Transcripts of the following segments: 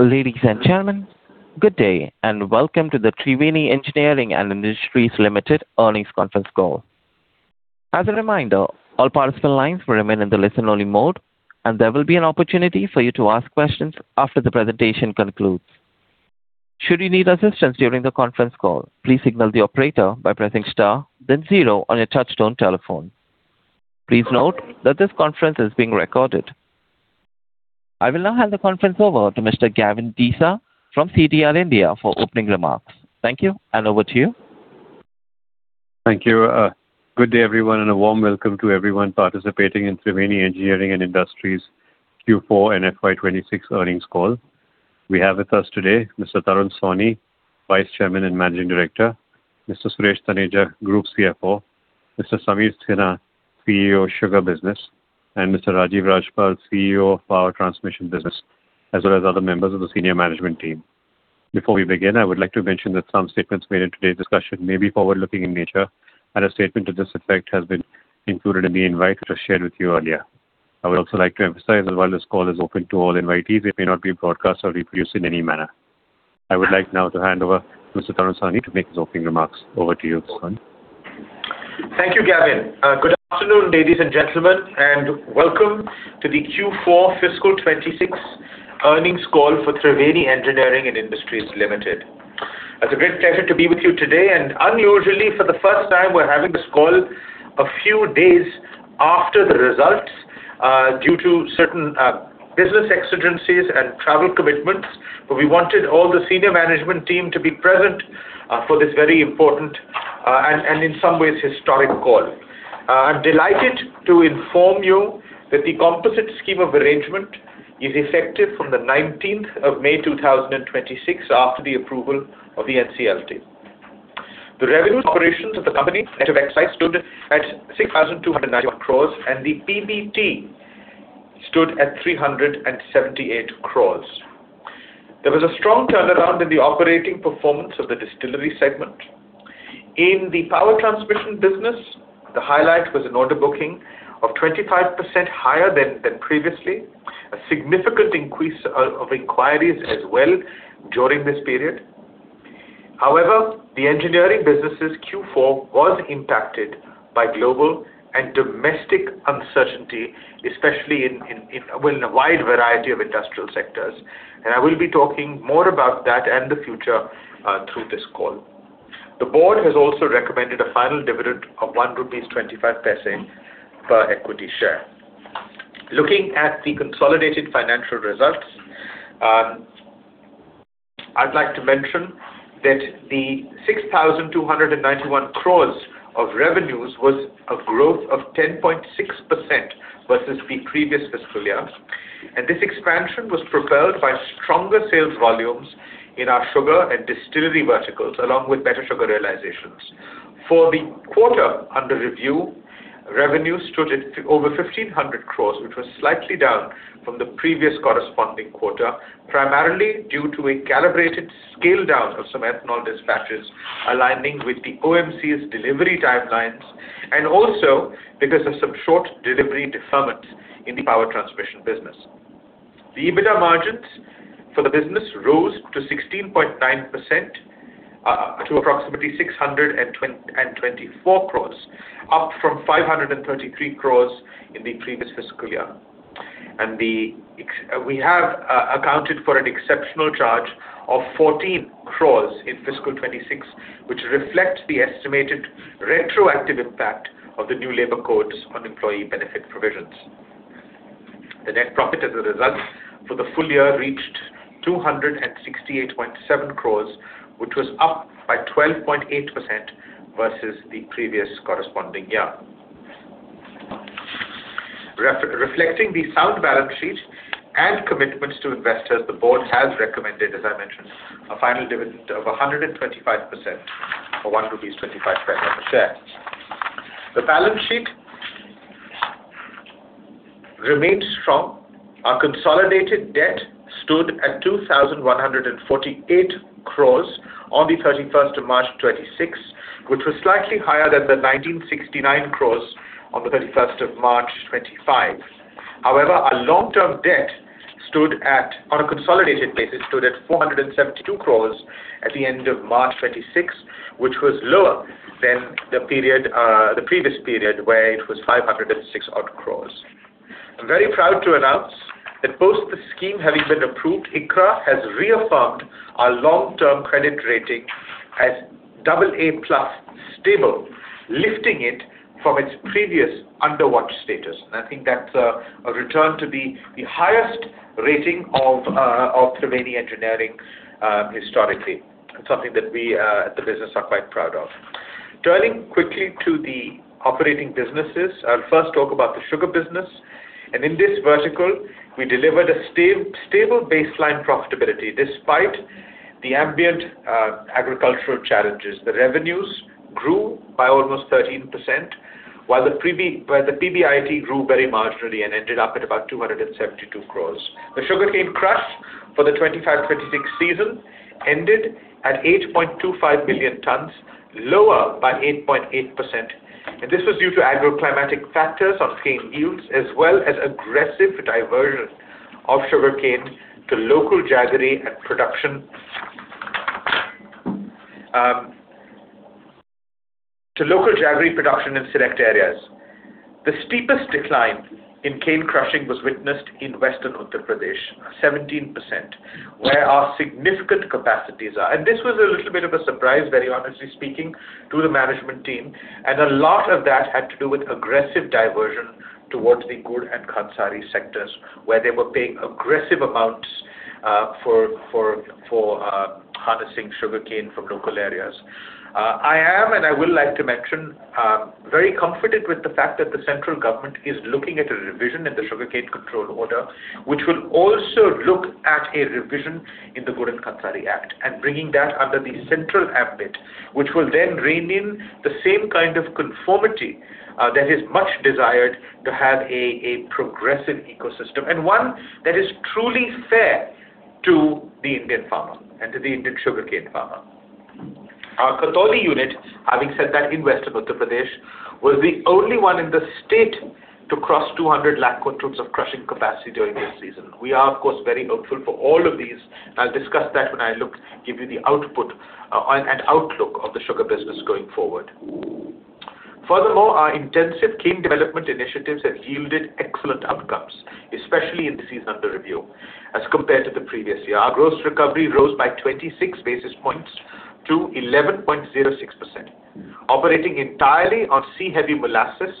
Ladies and gentlemen, good day, and welcome to the Triveni Engineering & Industries Limited earnings conference call. As a reminder, all participant lines will remain in the listen only mode, and there will be an opportunity for you to ask questions after the presentation concludes. Should you need assistance during the conference call, please signal the operator by pressing star then zero on your touchtone telephone. Please note that this conference is being recorded. I will now hand the conference over to Mr. Gavin Desa from CDR India for opening remarks. Thank you, and over to you. Thank you. Good day, everyone, a warm welcome to everyone participating in Triveni Engineering & Industries Q4 and FY 2026 earnings call. We have with us today Mr. Tarun Sawhney, Vice Chairman and Managing Director, Mr. Suresh Taneja, Group CFO, Mr. Sameer Sinha, CEO, Sugar Business, and Mr. Rajiv Rajpal, CEO of Power Transmission Business, as well as other members of the senior management team. Before we begin, I would like to mention that some statements made in today's discussion may be forward-looking in nature, and a statement to this effect has been included in the invite that I shared with you earlier. I would also like to emphasize that while this call is open to all invitees, it may not be broadcast or reproduced in any manner. I would like now to hand over Mr. Tarun Sawhney to make his opening remarks. Over to you, Tarun. Thank you, Gavin. Good afternoon, ladies and gentlemen, and welcome to the Q4 fiscal 2026 earnings call for Triveni Engineering & Industries Limited. It's a great pleasure to be with you today. Unusually, for the first time, we're having this call a few days after the results due to certain business exigencies and travel commitments. We wanted all the senior management team to be present for this very important, and in some ways, historic call. I'm delighted to inform you that the composite scheme of arrangement is effective from the 19th of May, 2026, after the approval of the NCLT. The revenues operations of the company net of excise stood at 6,291 crores, and the PBT stood at 378 crores. There was a strong turnaround in the operating performance of the Distillery segment. In the Power Transmission Business, the highlight was an order booking of 25% higher than previously, a significant increase of inquiries as well during this period. However, the engineering business's Q4 was impacted by global and domestic uncertainty, especially in a wide variety of industrial sectors. I will be talking more about that and the future through this call. The board has also recommended a final dividend of 1.25 rupees per equity share. Looking at the consolidated financial results, I'd like to mention that the 6,291 crore of revenues was a growth of 10.6% versus the previous fiscal year. This expansion was propelled by stronger sales volumes in our sugar and distillery verticals, along with better sugar realizations. For the quarter under review, revenue stood at over 1,500 crores, which was slightly down from the previous corresponding quarter, primarily due to a calibrated scale-down of some ethanol dispatches aligning with the OMC's delivery timelines and also because of some short delivery deferment in the Power Transmission Business. The EBITDA margins for the business rose to 16.9%, to approximately 624 crores, up from 533 crores in the previous fiscal year. We have accounted for an exceptional charge of 14 crores in fiscal 2026, which reflects the estimated retroactive impact of the new labor codes on employee benefit provisions. The net profit as a result for the full year reached 268.7 crores, which was up by 12.8% versus the previous corresponding year. Reflecting the sound balance sheet and commitments to investors, the board has recommended, as I mentioned, a final dividend of 125% or 1.25 rupees per share. The balance sheet remains strong. Our consolidated debt stood at 2,148 crore on the 31st of March 2026, which was slightly higher than the 1,969 crore on the 31st of March 2025. Our long-term debt on a consolidated basis, stood at 472 crore at the end of March 2026, which was lower than the previous period where it was 506 crore. I am very proud to announce that post the scheme having been approved, ICRA has reaffirmed our long-term credit rating as AA+ (Stable), lifting it from its previous under watch status. I think that's a return to the highest rating of Triveni Engineering historically, and something that we at the business are quite proud of. Turning quickly to the operating businesses. I will first talk about the Sugar business. In this vertical, we delivered a stable baseline profitability despite the ambient agricultural challenges. The revenues grew by almost 13%, while the PBIT grew very marginally and ended up at about 272 crore. The sugarcane crush for the 2025/2026 season ended at 8.25 million tons, lower by 8.8%. This was due to agro-climatic factors on cane yields, as well as aggressive diversion of sugarcane to local jaggery and production in select areas. The steepest decline in cane crushing was witnessed in Western Uttar Pradesh, 17%, where our significant capacities are. This was a little bit of a surprise, very honestly speaking, to the management team. A lot of that had to do with aggressive diversion towards the gur and khandsari sectors, where they were paying aggressive amounts for harvesting sugarcane from local areas. I am, and I will like to mention, very comforted with the fact that the central government is looking at a revision in the Sugarcane Control Order, which will also look at a revision in the Gur and Khandsari Act, bringing that under the central ambit, which will then rein in the same kind of conformity that is much desired to have a progressive ecosystem, and one that is truly fair to the Indian farmer and to the Indian sugarcane farmer. Our Khatauli unit, having said that, in West Uttar Pradesh, was the only one in the state to cross 200 lakh quintals of crushing capacity during this season. We are, of course, very hopeful for all of these. I'll discuss that when I give you the output and outlook of the sugar business going forward. Furthermore, our intensive cane development initiatives have yielded excellent outcomes, especially in the season under review as compared to the previous year. Our gross recovery rose by 26 basis points to 11.06%. Operating entirely on C-heavy molasses,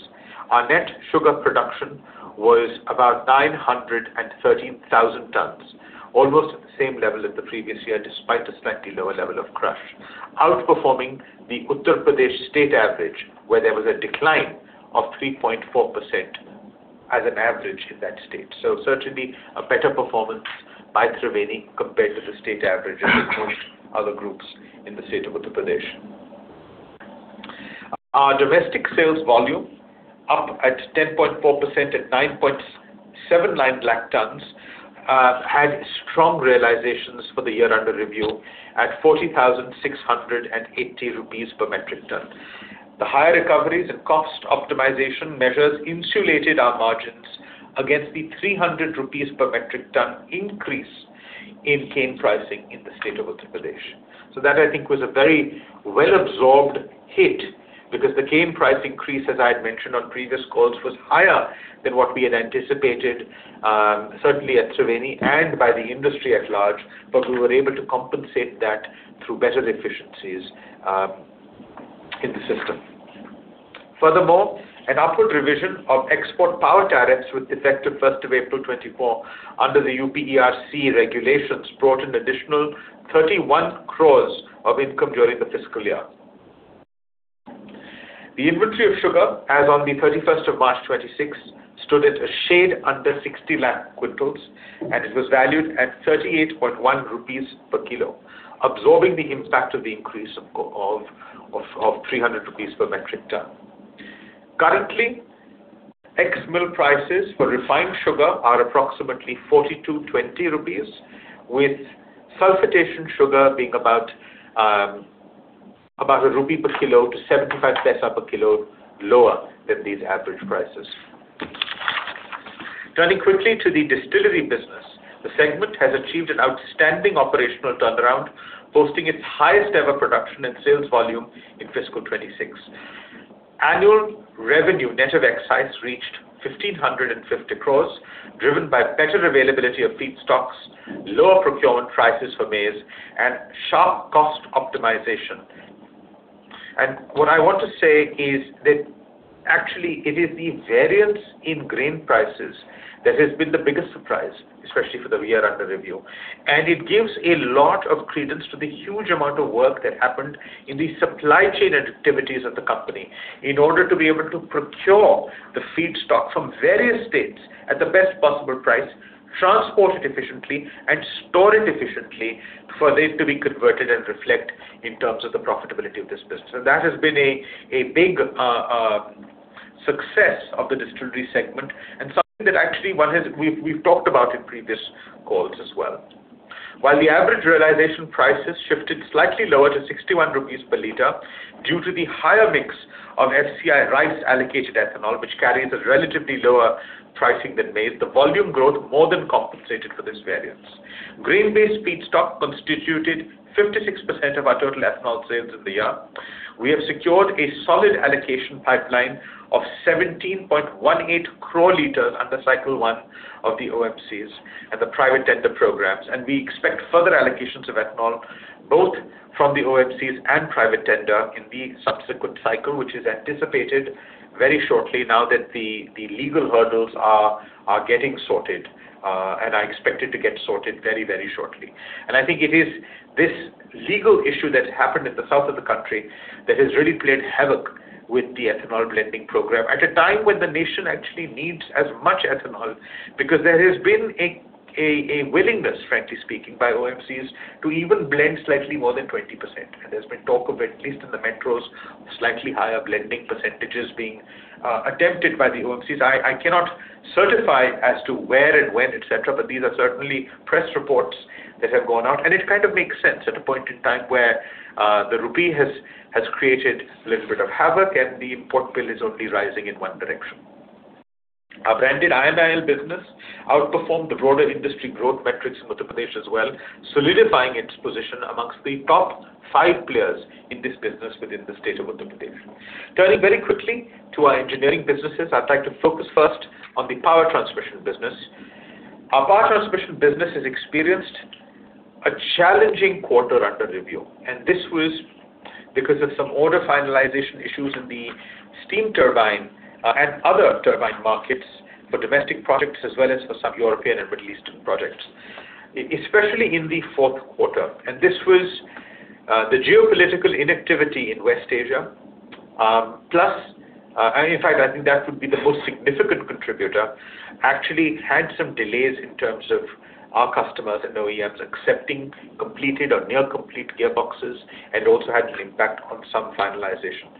our net sugar production was about 913,000 tons, almost at the same level as the previous year, despite a slightly lower level of crush. Outperforming the Uttar Pradesh state average, where there was a decline of 3.4% as an average in that state. Certainly, a better performance by Triveni compared to the state average and most other groups in the state of Uttar Pradesh. Our domestic sales volume, up at 10.4% at 9.79 lakh tons, had strong realizations for the year under review at 40,680 rupees per metric ton. The higher recoveries and cost optimization measures insulated our margins against the 300 rupees per metric ton increase in cane pricing in the state of Uttar Pradesh. That, I think, was a very well-absorbed hit because the cane price increase, as I had mentioned on previous calls, was higher than what we had anticipated certainly at Triveni and by the industry at large. We were able to compensate that through better efficiencies in the system. Furthermore, an upward revision of export power tariffs with effective 1st of April 2024 under the UPERC regulations brought an additional 31 crore of income during the fiscal year. The inventory of sugar as on the 31st of March 2026 stood at a shade under 60 lakh quintals, and it was valued at 38.1 rupees per kilo, absorbing the impact of the increase of 300 rupees per metric ton. Currently, ex-mill prices for refined sugar are approximately 4,220 rupees, with sulphitation sugar being about INR 1 per kilo to 0.75 per kilo lower than these average prices. Turning quickly to the Distillery business. The segment has achieved an outstanding operational turnaround, posting its highest ever production and sales volume in fiscal 2026. Annual revenue net of excise reached 1,550 crores, driven by better availability of feedstocks, lower procurement prices for maize, and sharp cost optimization. What I want to say is that actually it is the variance in grain prices that has been the biggest surprise, especially for the year under review. It gives a lot of credence to the huge amount of work that happened in the supply chain activities of the company in order to be able to procure the feedstock from various states at the best possible price, transport it efficiently, and store it efficiently for this to be converted and reflect in terms of the profitability of this business. That has been a big success of the Distillery segment and something that actually we've talked about in previous calls as well. While the average realization prices shifted slightly lower to 61 rupees per liter due to the higher mix of FCI rice allocated ethanol, which carries a relatively lower pricing than maize, the volume growth more than compensated for this variance. Grain-based feedstock constituted 56% of our total ethanol sales in the year. We have secured a solid allocation pipeline of 17.18 crore liters under Cycle one of the OMCs and the private tender programs. We expect further allocations of ethanol both from the OMCs and private tender in the subsequent cycle, which is anticipated very shortly now that the legal hurdles are getting sorted, and are expected to get sorted very shortly. I think it is this legal issue that's happened in the south of the country that has really played havoc with the ethanol blending program at a time when the nation actually needs as much ethanol because there has been a willingness, frankly speaking, by OMCs to even blend slightly more than 20%. There's been talk of at least in the metros, slightly higher blending percentages being attempted by the OMCs. I cannot certify as to where and when, et cetera. These are certainly press reports that have gone out, and it kind of makes sense at a point in time where the rupee has created a little bit of havoc, and the import bill is only rising in one direction. Our branded IMFL business outperformed the broader industry growth metrics in Uttar Pradesh as well, solidifying its position amongst the top five players in this business within the state of Uttar Pradesh. Turning very quickly to our engineering businesses, I'd like to focus first on the Power Transmission business. Our power transmission business has experienced a challenging quarter under review. This was because of some order finalization issues in the steam turbine and other turbine markets for domestic products, as well as for some European and Middle Eastern projects, especially in the fourth quarter. This was the geopolitical inactivity in West Asia. In fact, I think that would be the most significant contributor. Actually, it had some delays in terms of our customers and OEMs accepting completed or near-complete gearboxes and also had an impact on some finalization.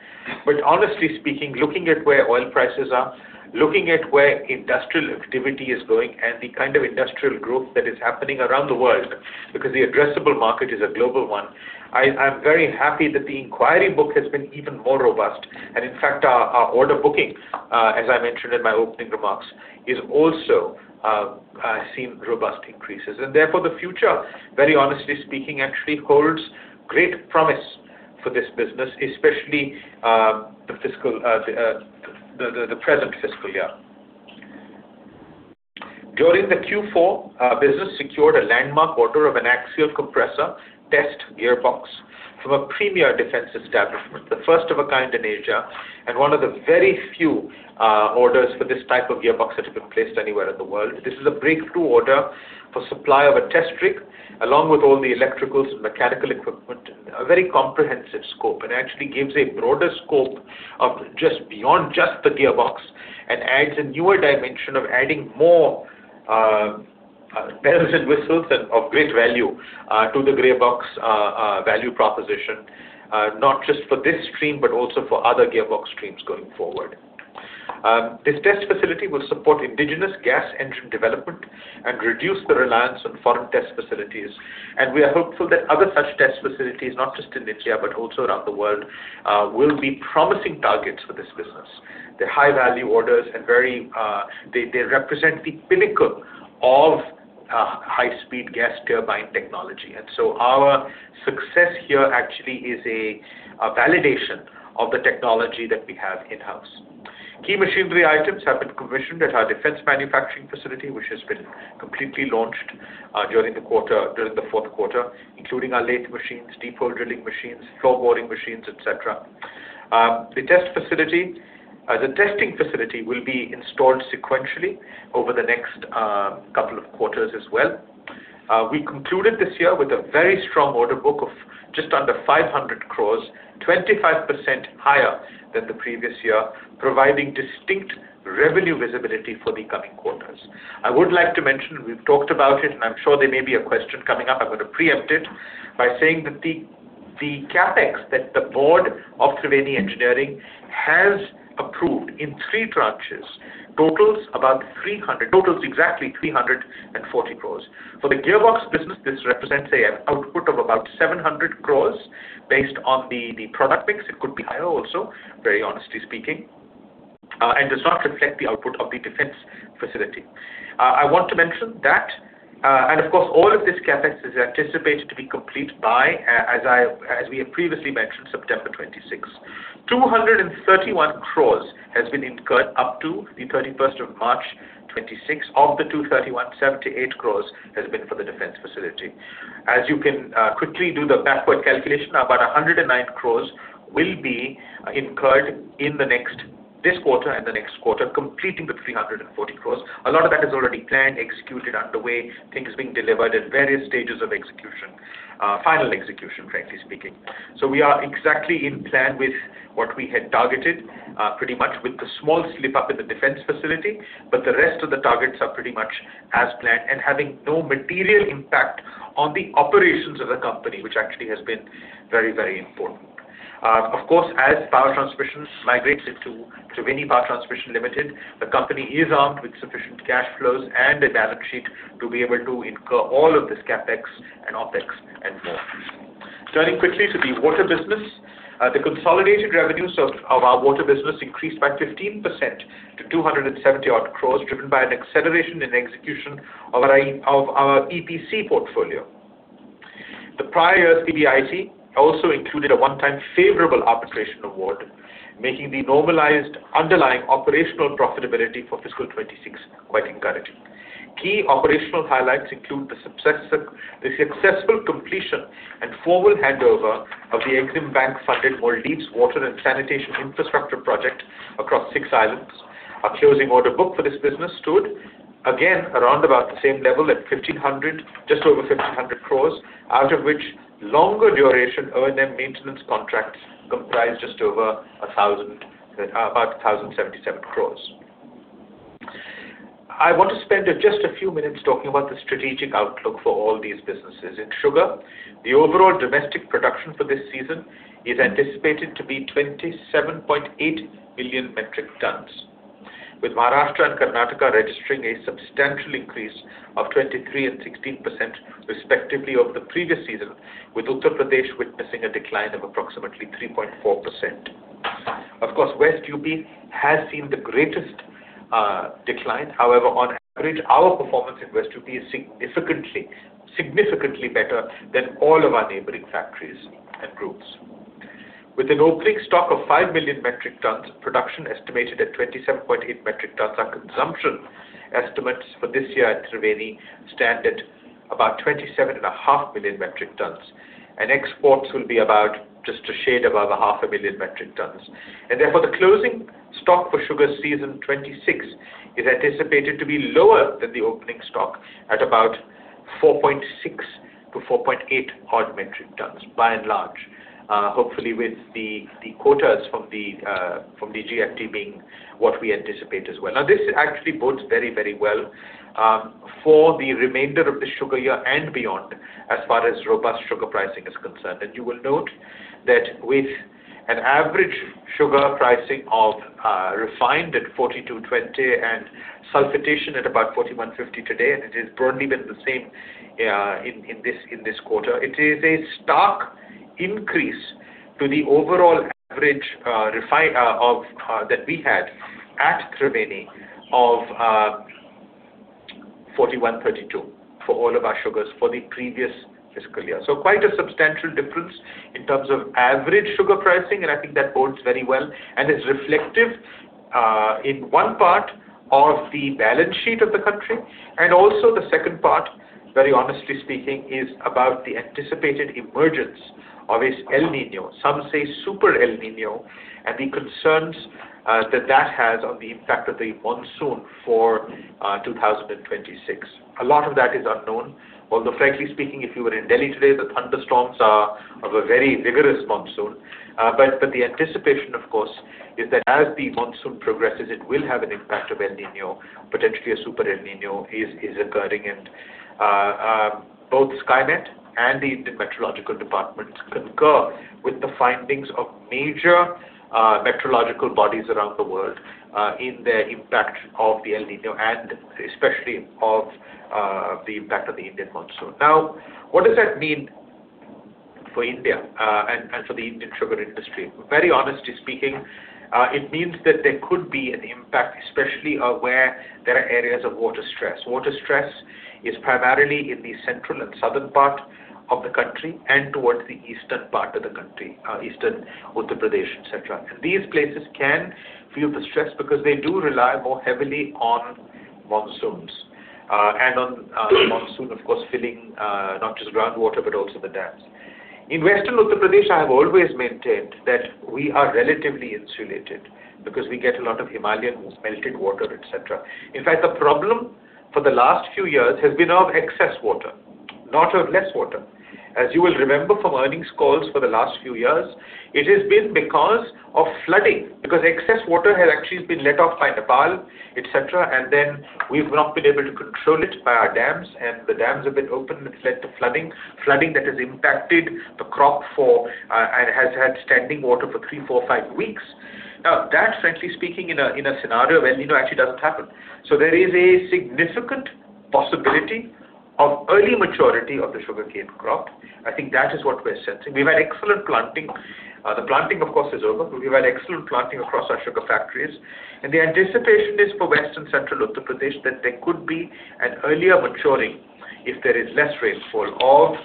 Honestly speaking, looking at where oil prices are, looking at where industrial activity is going, and the kind of industrial growth that is happening around the world. Because the addressable market is a global one, I am very happy that the inquiry book has been even more robust. In fact, our order booking, as I mentioned in my opening remarks, is also seen robust increases. Therefore, the future, very honestly speaking, actually holds great promise for this business, especially the present fiscal year. During the Q4, business secured a landmark order of an axial compressor test gearbox from a premier defense establishment, the first of a kind in Asia, and one of the very few orders for this type of gearbox that have been placed anywhere in the world. This is a breakthrough order for supply of a test rig, along with all the electricals and mechanical equipment, a very comprehensive scope. It actually gives a broader scope of just beyond just the gearbox and adds a newer dimension of adding more bells and whistles and of great value to the gearbox value proposition, not just for this stream, but also for other gearbox streams going forward. This test facility will support indigenous gas engine development and reduce the reliance on foreign test facilities. We are hopeful that other such test facilities, not just in India, but also around the world, will be promising targets for this business. They're high-value orders, and they represent the pinnacle of high-speed gas turbine technology. Our success here actually is a validation of the technology that we have in-house. Key machinery items have been commissioned at our defense manufacturing facility, which has been completely launched during the fourth quarter, including our lathe machines, deep hole drilling machines, floor boring machines, et cetera. The testing facility will be installed sequentially over the next couple of quarters as well. We concluded this year with a very strong order book of just under 500 crore, 25% higher than the previous year, providing distinct revenue visibility for the coming quarters. I would like to mention, we've talked about it, and I'm sure there may be a question coming up. I'm going to preempt it by saying that the CapEx that the board of Triveni Engineering has approved in three tranches totals exactly 340 crores. For the Gearbox business, this represents an output of about 700 crores based on the product mix. It could be higher also, very honestly speaking, and does not reflect the output of the defense facility. I want to mention that. Of course, all of this CapEx is anticipated to be complete by, as we have previously mentioned, September 2026. 231 crores has been incurred up to the 31st of March, 2026. Of the 231, 78 crores has been for the defense facility. As you can quickly do the backward calculation, about 109 crores will be incurred in this quarter and the next quarter, completing the 340 crores. A lot of that is already planned, executed, underway, things being delivered at various stages of final execution, frankly speaking. We are exactly in plan with what we had targeted, pretty much with a small slip up in the defense facility, but the rest of the targets are pretty much as planned and having no material impact on the operations of the company, which actually has been very important. Of course, as power transmission migrates into Triveni Power Transmission Limited, the company is armed with sufficient cash flows and a balance sheet to be able to incur all of this CapEx and OpEx and more. Turning quickly to the Water business. The consolidated revenues of our water business increased by 15% to 270 odd crores, driven by an acceleration in execution of our EPC portfolio. The prior year's EBITDA also included a one-time favorable arbitration award, making the normalized underlying operational profitability for fiscal 2026 quite encouraging. Key operational highlights include the successful completion and formal handover of the Exim Bank-funded Maldives water and sanitation infrastructure project across six islands. Our closing order book for this business stood, again, around about the same level at just over 1,500 crores, out of which longer duration O&M maintenance contracts comprised just over about 1,077 crores. I want to spend just a few minutes talking about the strategic outlook for all these businesses. In Sugar, the overall domestic production for this season is anticipated to be 27.8 million metric tons, with Maharashtra and Karnataka registering a substantial increase of 23% and 16%, respectively, over the previous season, with Uttar Pradesh witnessing a decline of approximately 3.4%. Of course, West U.P. has seen the greatest decline. However, on average, our performance in West U.P. is significantly better than all of our neighboring factories and groups. With an opening stock of 5 million metric tons, production estimated at 27.8 [million] metric tons, our consumption estimates for this year at Triveni stand at about 27.5 million metric tons. Exports will be about just a shade above 500,000 metric tons. Therefore, the closing stock for sugar season 2026 is anticipated to be lower than the opening stock at about 4.6 million-4.8 million metric tons, by and large. Hopefully, with the quotas from the DGFT being what we anticipate as well. Now, this actually bodes very well for the remainder of the sugar year and beyond as far as robust sugar pricing is concerned. You will note that with an average sugar pricing of refined at 42.20 and sulphitation at about 41.50 today, it has broadly been the same in this quarter. It is a stark increase to the overall average that we had at Triveni of 41.32 for all of our sugars for the previous fiscal year. Quite a substantial difference in terms of average sugar pricing, and I think that bodes very well and is reflective in one part of the balance sheet of the country. Also the second part, very honestly speaking, is about the anticipated emergence of this El Niño, some say Super El Niño, and the concerns that that has on the impact of the monsoon for 2026. A lot of that is unknown, although frankly speaking, if you were in Delhi today, the thunderstorms are of a very vigorous monsoon. The anticipation, of course, is that as the monsoon progresses, it will have an impact of El Niño, potentially a Super El Niño is occurring. Both Skymet and the India Meteorological Department concur with the findings of major meteorological bodies around the world in their impact of the El Niño and especially of the impact of the Indian monsoon. What does that mean for India and for the Indian sugar industry? Very honestly speaking, it means that there could be an impact, especially where there are areas of water stress. Water stress is primarily in the central and southern part of the country and towards the eastern part of the country. Eastern Uttar Pradesh, et cetera. These places can feel the stress because they do rely more heavily on monsoons and on monsoon, of course, filling not just groundwater, but also the dams. In Western Uttar Pradesh, I have always maintained that we are relatively insulated because we get a lot of Himalayan melted water, et cetera. In fact, the problem for the last few years has been of excess water, not of less water. As you will remember from earnings calls for the last few years, it has been because of flooding, because excess water has actually been let off by Nepal, et cetera. We've not been able to control it by our dams, and the dams have been opened, which led to flooding. Flooding that has impacted the crop and has had standing water for three, four, five weeks. That, frankly speaking, in a scenario where El Niño actually doesn't happen. There is a significant possibility of early maturity of the sugarcane crop. I think that is what we're sensing. We've had excellent planting. The planting, of course, is over. We've had excellent planting across our sugar factories. The anticipation is for western central Uttar Pradesh that there could be an earlier maturing if there is less rainfall of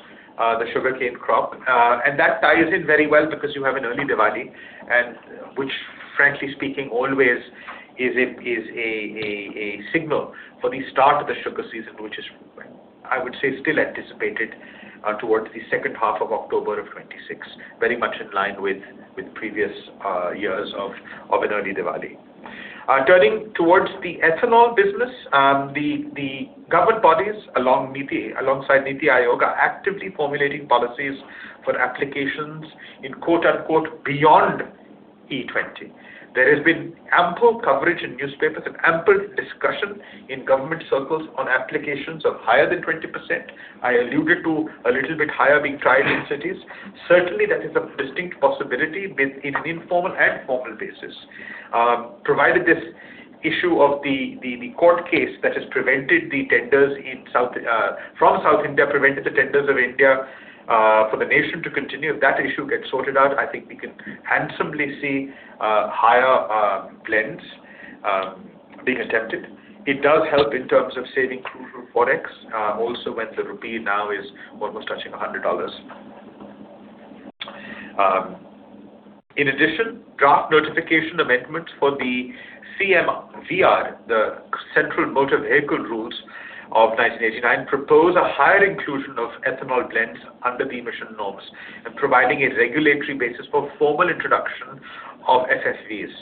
the sugarcane crop. That ties in very well because you have an early Diwali, which frankly speaking, always is a signal for the start of the sugar season, which is, I would say, still anticipated towards the second half of October of 2026. Very much in line with previous years of an early Diwali. Turning towards the Ethanol business. The government bodies, alongside NITI Aayog, are actively formulating policies for applications in quote, unquote, beyond E20. There has been ample coverage in newspapers and ample discussion in government circles on applications of higher than 20%. I alluded to a little bit higher being tried in cities. Certainly, that is a distinct possibility, both in informal and formal basis. Provided this issue of the court case that has prevented the tenders from South India, prevented the tenders of India for the nation to continue. If that issue gets sorted out, I think we can handsomely see higher blends being attempted. It does help in terms of saving crucial Forex. Also, when the rupee now is almost touching $100. In addition, draft notification amendments for the CMVR, the Central Motor Vehicle Rules, 1989, propose a higher inclusion of ethanol blends under the emission norms and providing a regulatory basis for formal introduction of FFVs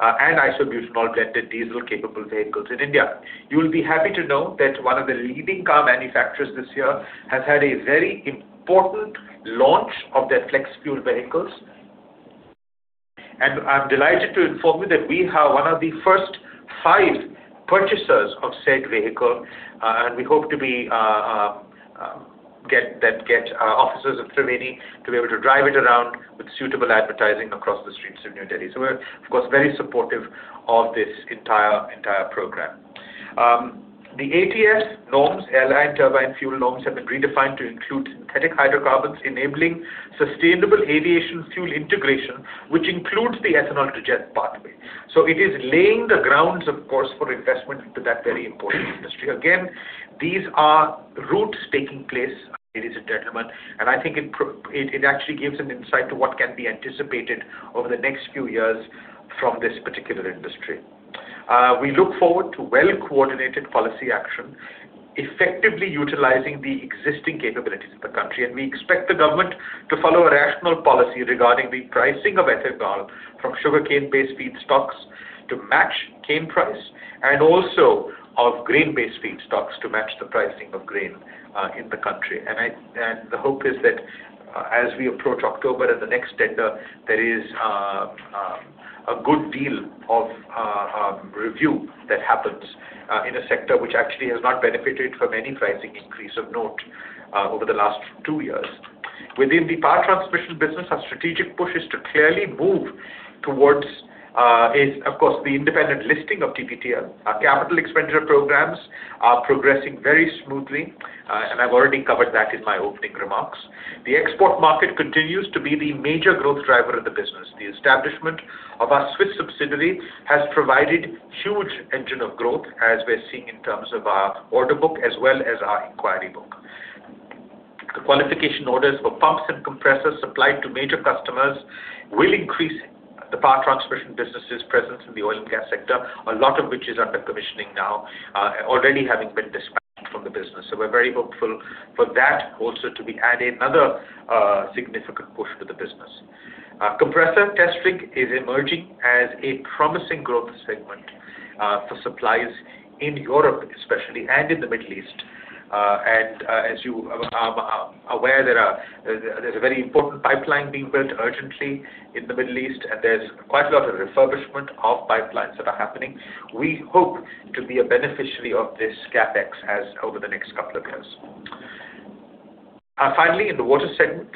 and isobutanol-blended diesel-capable vehicles in India. You will be happy to know that one of the leading car manufacturers this year has had a very important launch of their flex-fuel vehicles. I'm delighted to inform you that we are one of the first five purchasers of said vehicle, and we hope to get officers of Triveni to be able to drive it around with suitable advertising across the streets of New Delhi. We're, of course, very supportive of this entire program. The ATF norms, airline turbine fuel norms, have been redefined to include synthetic hydrocarbons enabling sustainable aviation fuel integration, which includes the ethanol-to-jet pathway. It is laying the grounds, of course, for investment into that very important industry. Again, these are roots taking place, ladies and gentlemen, and I think it actually gives an insight to what can be anticipated over the next few years from this particular industry. We look forward to well-coordinated policy action, effectively utilizing the existing capabilities of the country. We expect the government to follow a rational policy regarding the pricing of ethanol from sugarcane-based feedstocks to match cane price, and also of grain-based feedstocks to match the pricing of grain in the country. The hope is that as we approach October and the next tender, there is a good deal of review that happens in a sector which actually has not benefited from any pricing increase of note over the last two years. Within the Power Transmission Business, our strategic push to clearly move towards, of course, the independent listing of TPTL. Our capital expenditure programs are progressing very smoothly. I've already covered that in my opening remarks. The export market continues to be the major growth driver of the business. The establishment of our Swiss subsidiary has provided huge engine of growth, as we're seeing in terms of our order book as well as our inquiry book. The qualification orders for pumps and compressors supplied to major customers will increase the Power Transmission business's presence in the oil and gas sector, a lot of which is under commissioning now, already having been dispatched from the business. We're very hopeful for that also to be adding another significant push to the business. Compressor test rig is emerging as a promising growth segment for suppliers in Europe especially, and in the Middle East. As you are aware, there's a very important pipeline being built urgently in the Middle East, and there's quite a lot of refurbishment of pipelines that are happening. We hope to be a beneficiary of this CapEx over the next couple of years. Finally, in the Water segment,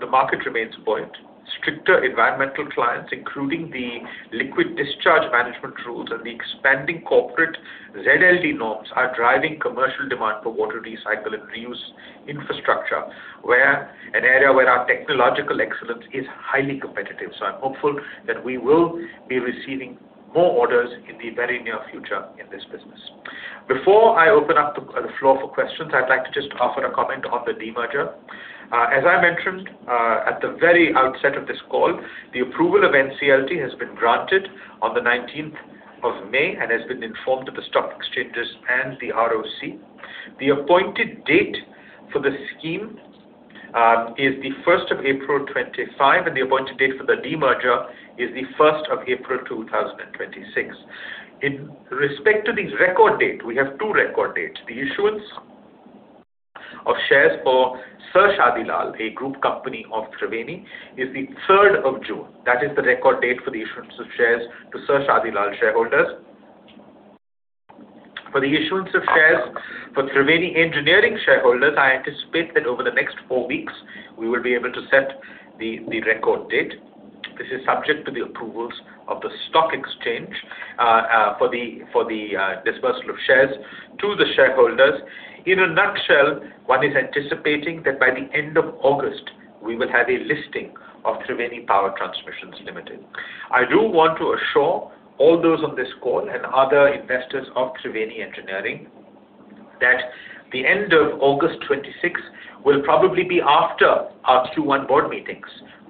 the market remains buoyant. Stricter environmental compliance, including the Liquid Discharge Management Rules and the expanding Corporate ZLD norms, are driving commercial demand for water recycle and reuse infrastructure, an area where our technological excellence is highly competitive. I'm hopeful that we will be receiving more orders in the very near future in this business. Before I open up the floor for questions, I'd like to just offer a comment on the demerger. As I mentioned at the very outset of this call, the approval of NCLT has been granted on the 19th of May and has been informed to the stock exchanges and the ROC. The appointed date for the scheme is the 1st of April 2025, and the appointed date for the demerger is the 1st of April 2026. In respect to the record date, we have two record dates. The issuance of shares for Sir Shadi Lal, a group company of Triveni, is the 3rd of June. That is the record date for the issuance of shares to Sir Shadi Lal shareholders. For the issuance of shares for Triveni Engineering shareholders, I anticipate that over the next four weeks, we will be able to set the record date. This is subject to the approvals of the stock exchange for the dispersal of shares to the shareholders. In a nutshell, one is anticipating that by the end of August, we will have a listing of Triveni Power Transmission Limited. I do want to assure all those on this call and other investors of Triveni Engineering that the end of August 2026 will probably be after our Q1 board meetings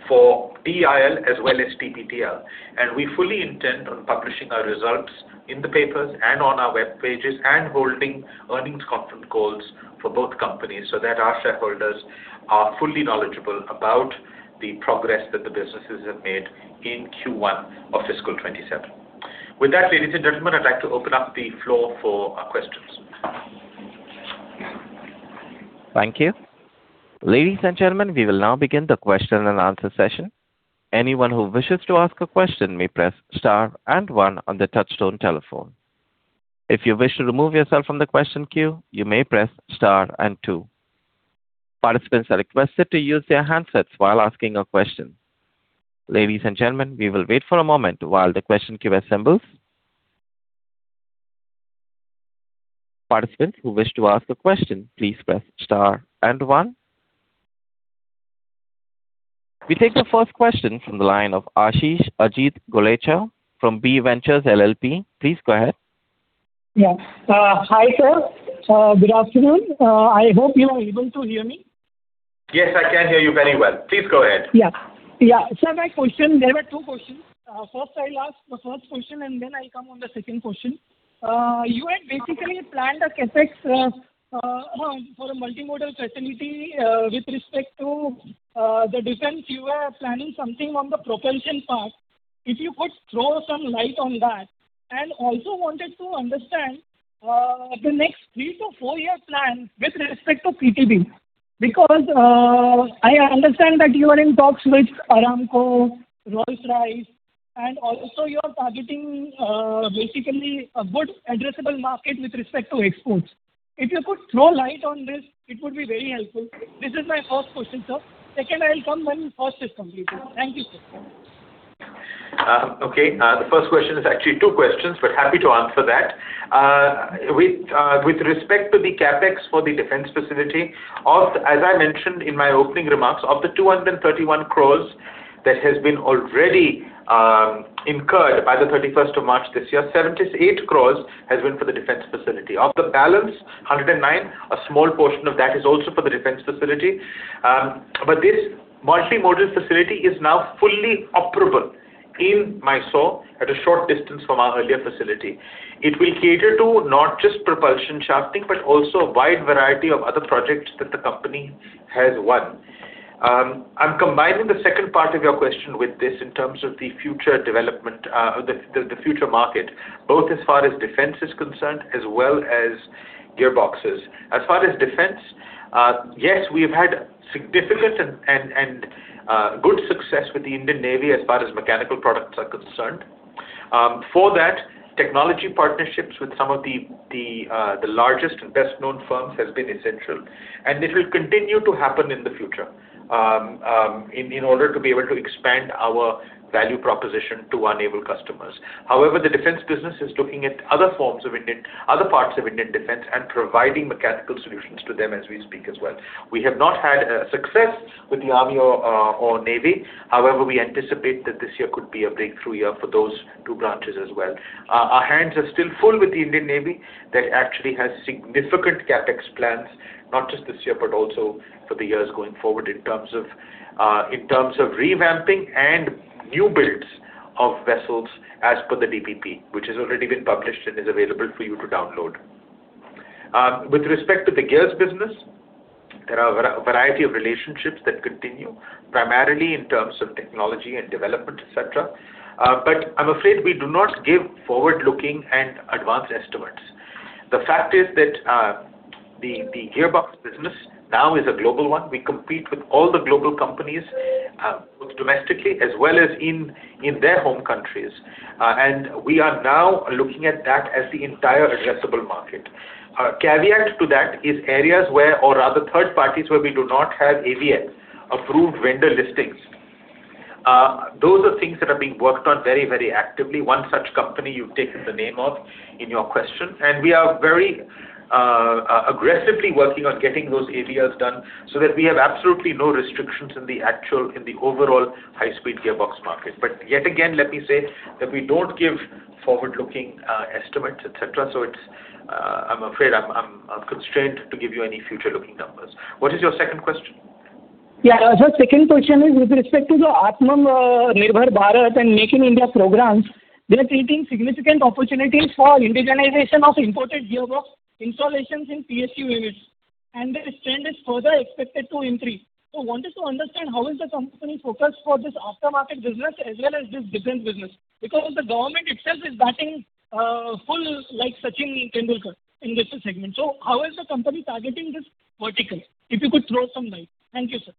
for TEIL as well as TPTL, and we fully intend on publishing our results in the papers and on our web pages and holding earnings conference calls for both companies so that our shareholders are fully knowledgeable about the progress that the businesses have made in Q1 of fiscal 2027. With that, ladies and gentlemen, I'd like to open up the floor for questions. Thank you. Ladies and gentlemen, we will now begin the question and answer session. Anyone who wishes to ask a question may press star and one on their touchtone telephone. If you wish to remove yourself from the question queue, you may press star and two. Participants are requested to use their handsets while asking a question. Ladies and gentlemen, we will wait for a moment while the question queue assembles. Participants who wish to ask a question, please press star and one. We take the first question from the line of Ashish Ajit Golechha from Bee Ventures LLP. Please go ahead. Hi, sir. Good afternoon. I hope you are able to hear me. Yes, I can hear you very well. Please go ahead. Yeah. Sir, my question, there were two questions. I'll ask the first question, and then I'll come on the second question. You had basically planned a CapEx for a multimodal facility. With respect to the defense, you were planning something on the propulsion part. If you could throw some light on that. Also wanted to understand the next three to four-year plan with respect to PTB. Because I understand that you are in talks with Aramco, Rolls-Royce, and also you are targeting basically a good addressable market with respect to exports. If you could throw light on this, it would be very helpful. This is my first question, sir. I will come when first is completed. Thank you, sir. Okay. The first question is actually two questions, happy to answer that. With respect to the CapEx for the defense facility, as I mentioned in my opening remarks, of the 231 crores that has been already incurred by the 31st of March this year, 78 crores has been for the defense facility. Of the balance, 109 crores, a small portion of that is also for the defense facility. This multimodal facility is now fully operable in Mysore at a short distance from our earlier facility. It will cater to not just propulsion shafting, but also a wide variety of other projects that the company has won. I'm combining the second part of your question with this in terms of the future market, both as far as defense is concerned, as well as gearboxes. As far as defense, yes, we have had significant and good success with the Indian Navy as far as mechanical products are concerned. For that, technology partnerships with some of the largest and best-known firms has been essential, and it will continue to happen in the future in order to be able to expand our value proposition to enable customers. However, the defense business is looking at other parts of Indian defense and providing mechanical solutions to them as we speak as well. We have not had success with the Army or Navy. However, we anticipate that this year could be a breakthrough year for those two branches as well. Our hands are still full with the Indian Navy that actually has significant CapEx plans, not just this year, but also for the years going forward in terms of revamping and new builds of vessels as per the DPP, which has already been published and is available for you to download. With respect to the gears business, there are a variety of relationships that continue, primarily in terms of technology and development, et cetera. I'm afraid we do not give forward-looking and advanced estimates. The fact is that the gearbox business now is a global one. We compete with all the global companies, both domestically as well as in their home countries. We are now looking at that as the entire addressable market. Caveat to that is areas where, or rather, third parties where we do not have AVL, approved vendor listings. Those are things that are being worked on very actively. One such company you've taken the name of in your question, we are very aggressively working on getting those AVLs done so that we have absolutely no restrictions in the overall high-speed gearbox market. Yet again, let me say that we don't give forward-looking estimates, et cetera. I'm afraid I'm constrained to give you any future-looking numbers. What is your second question? Yeah. Sir, second question is with respect to the Atmanirbhar Bharat and Make in India programs, they are creating significant opportunities for indigenization of imported gearbox installations in PSU units, and this trend is further expected to increase. Wanted to understand how is the company focused for this aftermarket business as well as this defense business? Because the government itself is batting full like Sachin Tendulkar in this segment. How is the company targeting this vertical? If you could throw some light. Thank you, sir.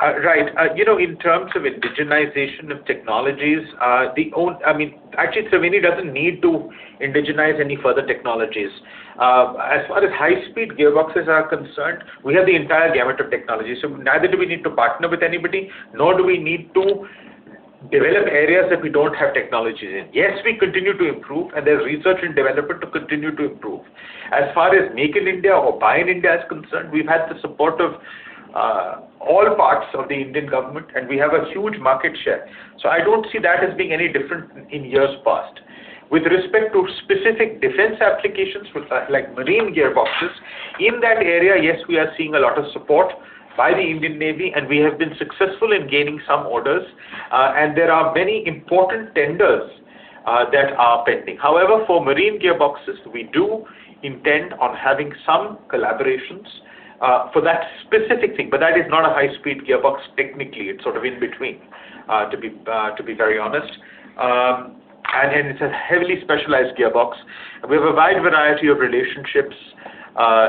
In terms of indigenization of technologies, actually, Triveni doesn't need to indigenize any further technologies. As far as high-speed gearboxes are concerned, we have the entire gamut of technology. Neither do we need to partner with anybody, nor do we need to develop areas that we don't have technologies in. Yes, we continue to improve, and there's research and development to continue to improve. As far as Make in India or Buy in India is concerned, we've had the support of all parts of the Indian government, and we have a huge market share. I don't see that as being any different in years past. With respect to specific defense applications like marine gearboxes, in that area, yes, we are seeing a lot of support by the Indian Navy, and we have been successful in gaining some orders. There are many important tenders that are pending. However, for marine gearboxes, we do intend on having some collaborations for that specific thing. That is not a high-speed gearbox, technically. It's sort of in between, to be very honest. It's a heavily specialized gearbox. We have a wide variety of relationships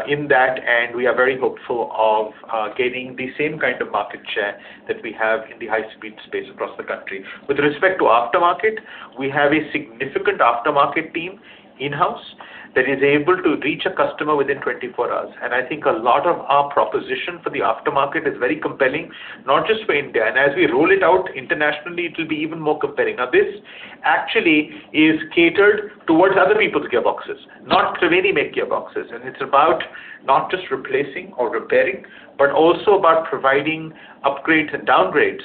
in that, and we are very hopeful of gaining the same kind of market share that we have in the high-speed space across the country. With respect to aftermarket, we have a significant aftermarket team in-house that is able to reach a customer within 24 hours. I think a lot of our proposition for the aftermarket is very compelling, not just for India. As we roll it out internationally, it will be even more compelling. This actually is catered towards other people's gearboxes, not Triveni-made gearboxes. It's about not just replacing or repairing, but also about providing upgrades and downgrades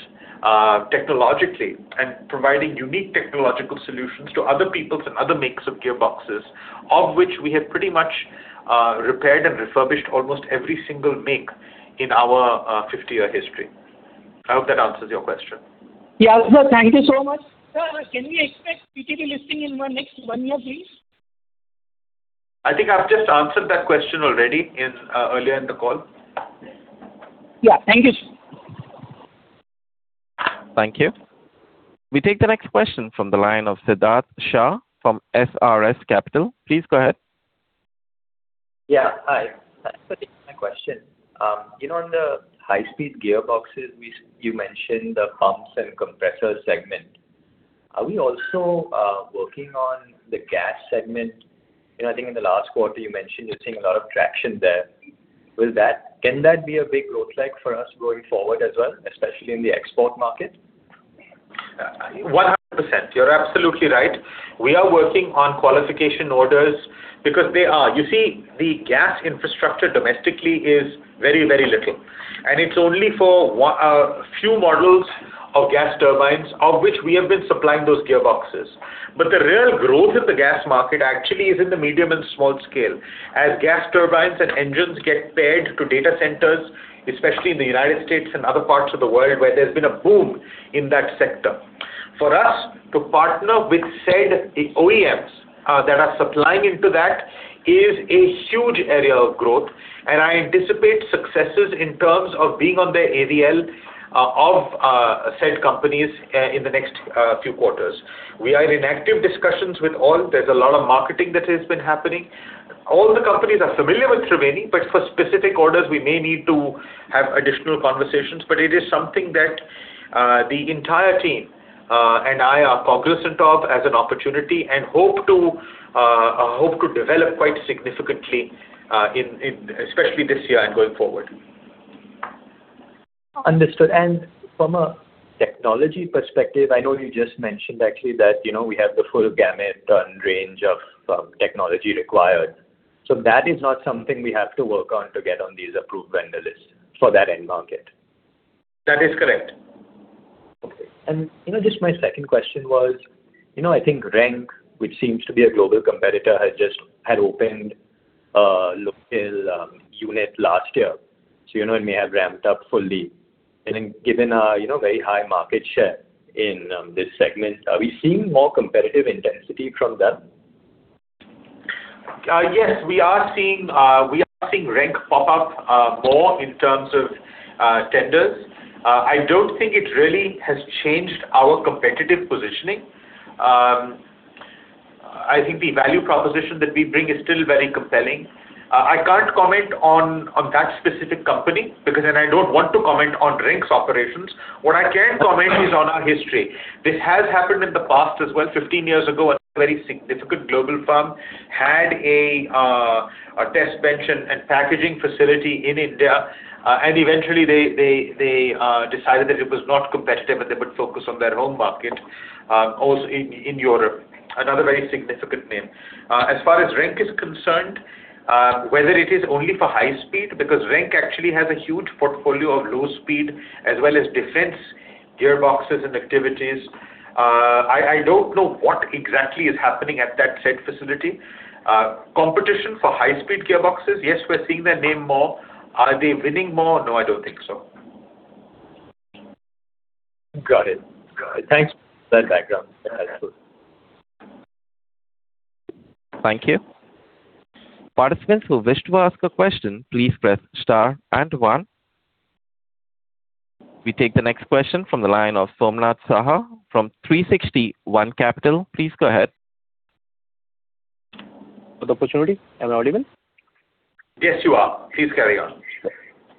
technologically and providing unique technological solutions to other people's and other makes of gearboxes, of which we have pretty much repaired and refurbished almost every single make in our 50-year history. I hope that answers your question. Yeah, sir. Thank you so much. Sir, can we expect TPTL listing in next one year, please? I think I've just answered that question already earlier in the call. Yeah. Thank you, sir. Thank you. We take the next question from the line of Siddharth Shah from SRS Capital. Please go ahead. Yeah, hi. Thanks for taking my question. In the high speed gearboxes, you mentioned the pumps and compressor segment. Are we also working on the gas segment? I think in the last quarter you mentioned you're seeing a lot of traction there. Can that be a big growth leg for us going forward as well, especially in the export market? One hundred percent. You're absolutely right. We are working on qualification orders. You see, the gas infrastructure domestically is very little, and it's only for a few models of gas turbines, of which we have been supplying those gearboxes. The real growth in the gas market actually is in the medium and small scale. As gas turbines and engines get paired to data centers, especially in the United States and other parts of the world where there's been a boom in that sector. For us to partner with said OEMs that are supplying into that is a huge area of growth, and I anticipate successes in terms of being on the AVL of said companies in the next few quarters. We are in active discussions with all. There's a lot of marketing that has been happening. All the companies are familiar with Triveni, but for specific orders, we may need to have additional conversations. It is something that the entire team and I are cognizant of as an opportunity and hope to develop quite significantly, especially this year and going forward. Understood. From a technology perspective, I know you just mentioned actually that we have the full gamut and range of technology required. That is not something we have to work on to get on these approved vendor lists for that end market? That is correct. Okay. Just my second question was, I think RENK, which seems to be a global competitor, had opened a local unit last year, so it may have ramped up fully. Given our very high market share in this segment, are we seeing more competitive intensity from them? Yes. We are seeing RENK pop up more in terms of tenders. I don't think it really has changed our competitive positioning. I think the value proposition that we bring is still very compelling. I can't comment on that specific company because then I don't want to comment on RENK's operations. What I can comment is on our history. This has happened in the past as well. 15 years ago, a very significant global firm had a test bench and packaging facility in India, and eventually they decided that it was not competitive, and they would focus on their home market, also in Europe. Another very significant name. As far as RENK is concerned, whether it is only for high speed, because RENK actually has a huge portfolio of low speed as well as defense gearboxes and activities. I don't know what exactly is happening at that said facility. Competition for high-speed gearboxes, yes, we're seeing their name more. Are they winning more? No, I don't think so. Got it. Thanks for that background. That helps. Thank you. Participants who wish to ask a question, please press star and one. We take the next question from the line of Somnath Saha from 360 ONE Capital. Please go ahead. Thanks for the opportunity. Am I audible? Yes, you are. Please carry on.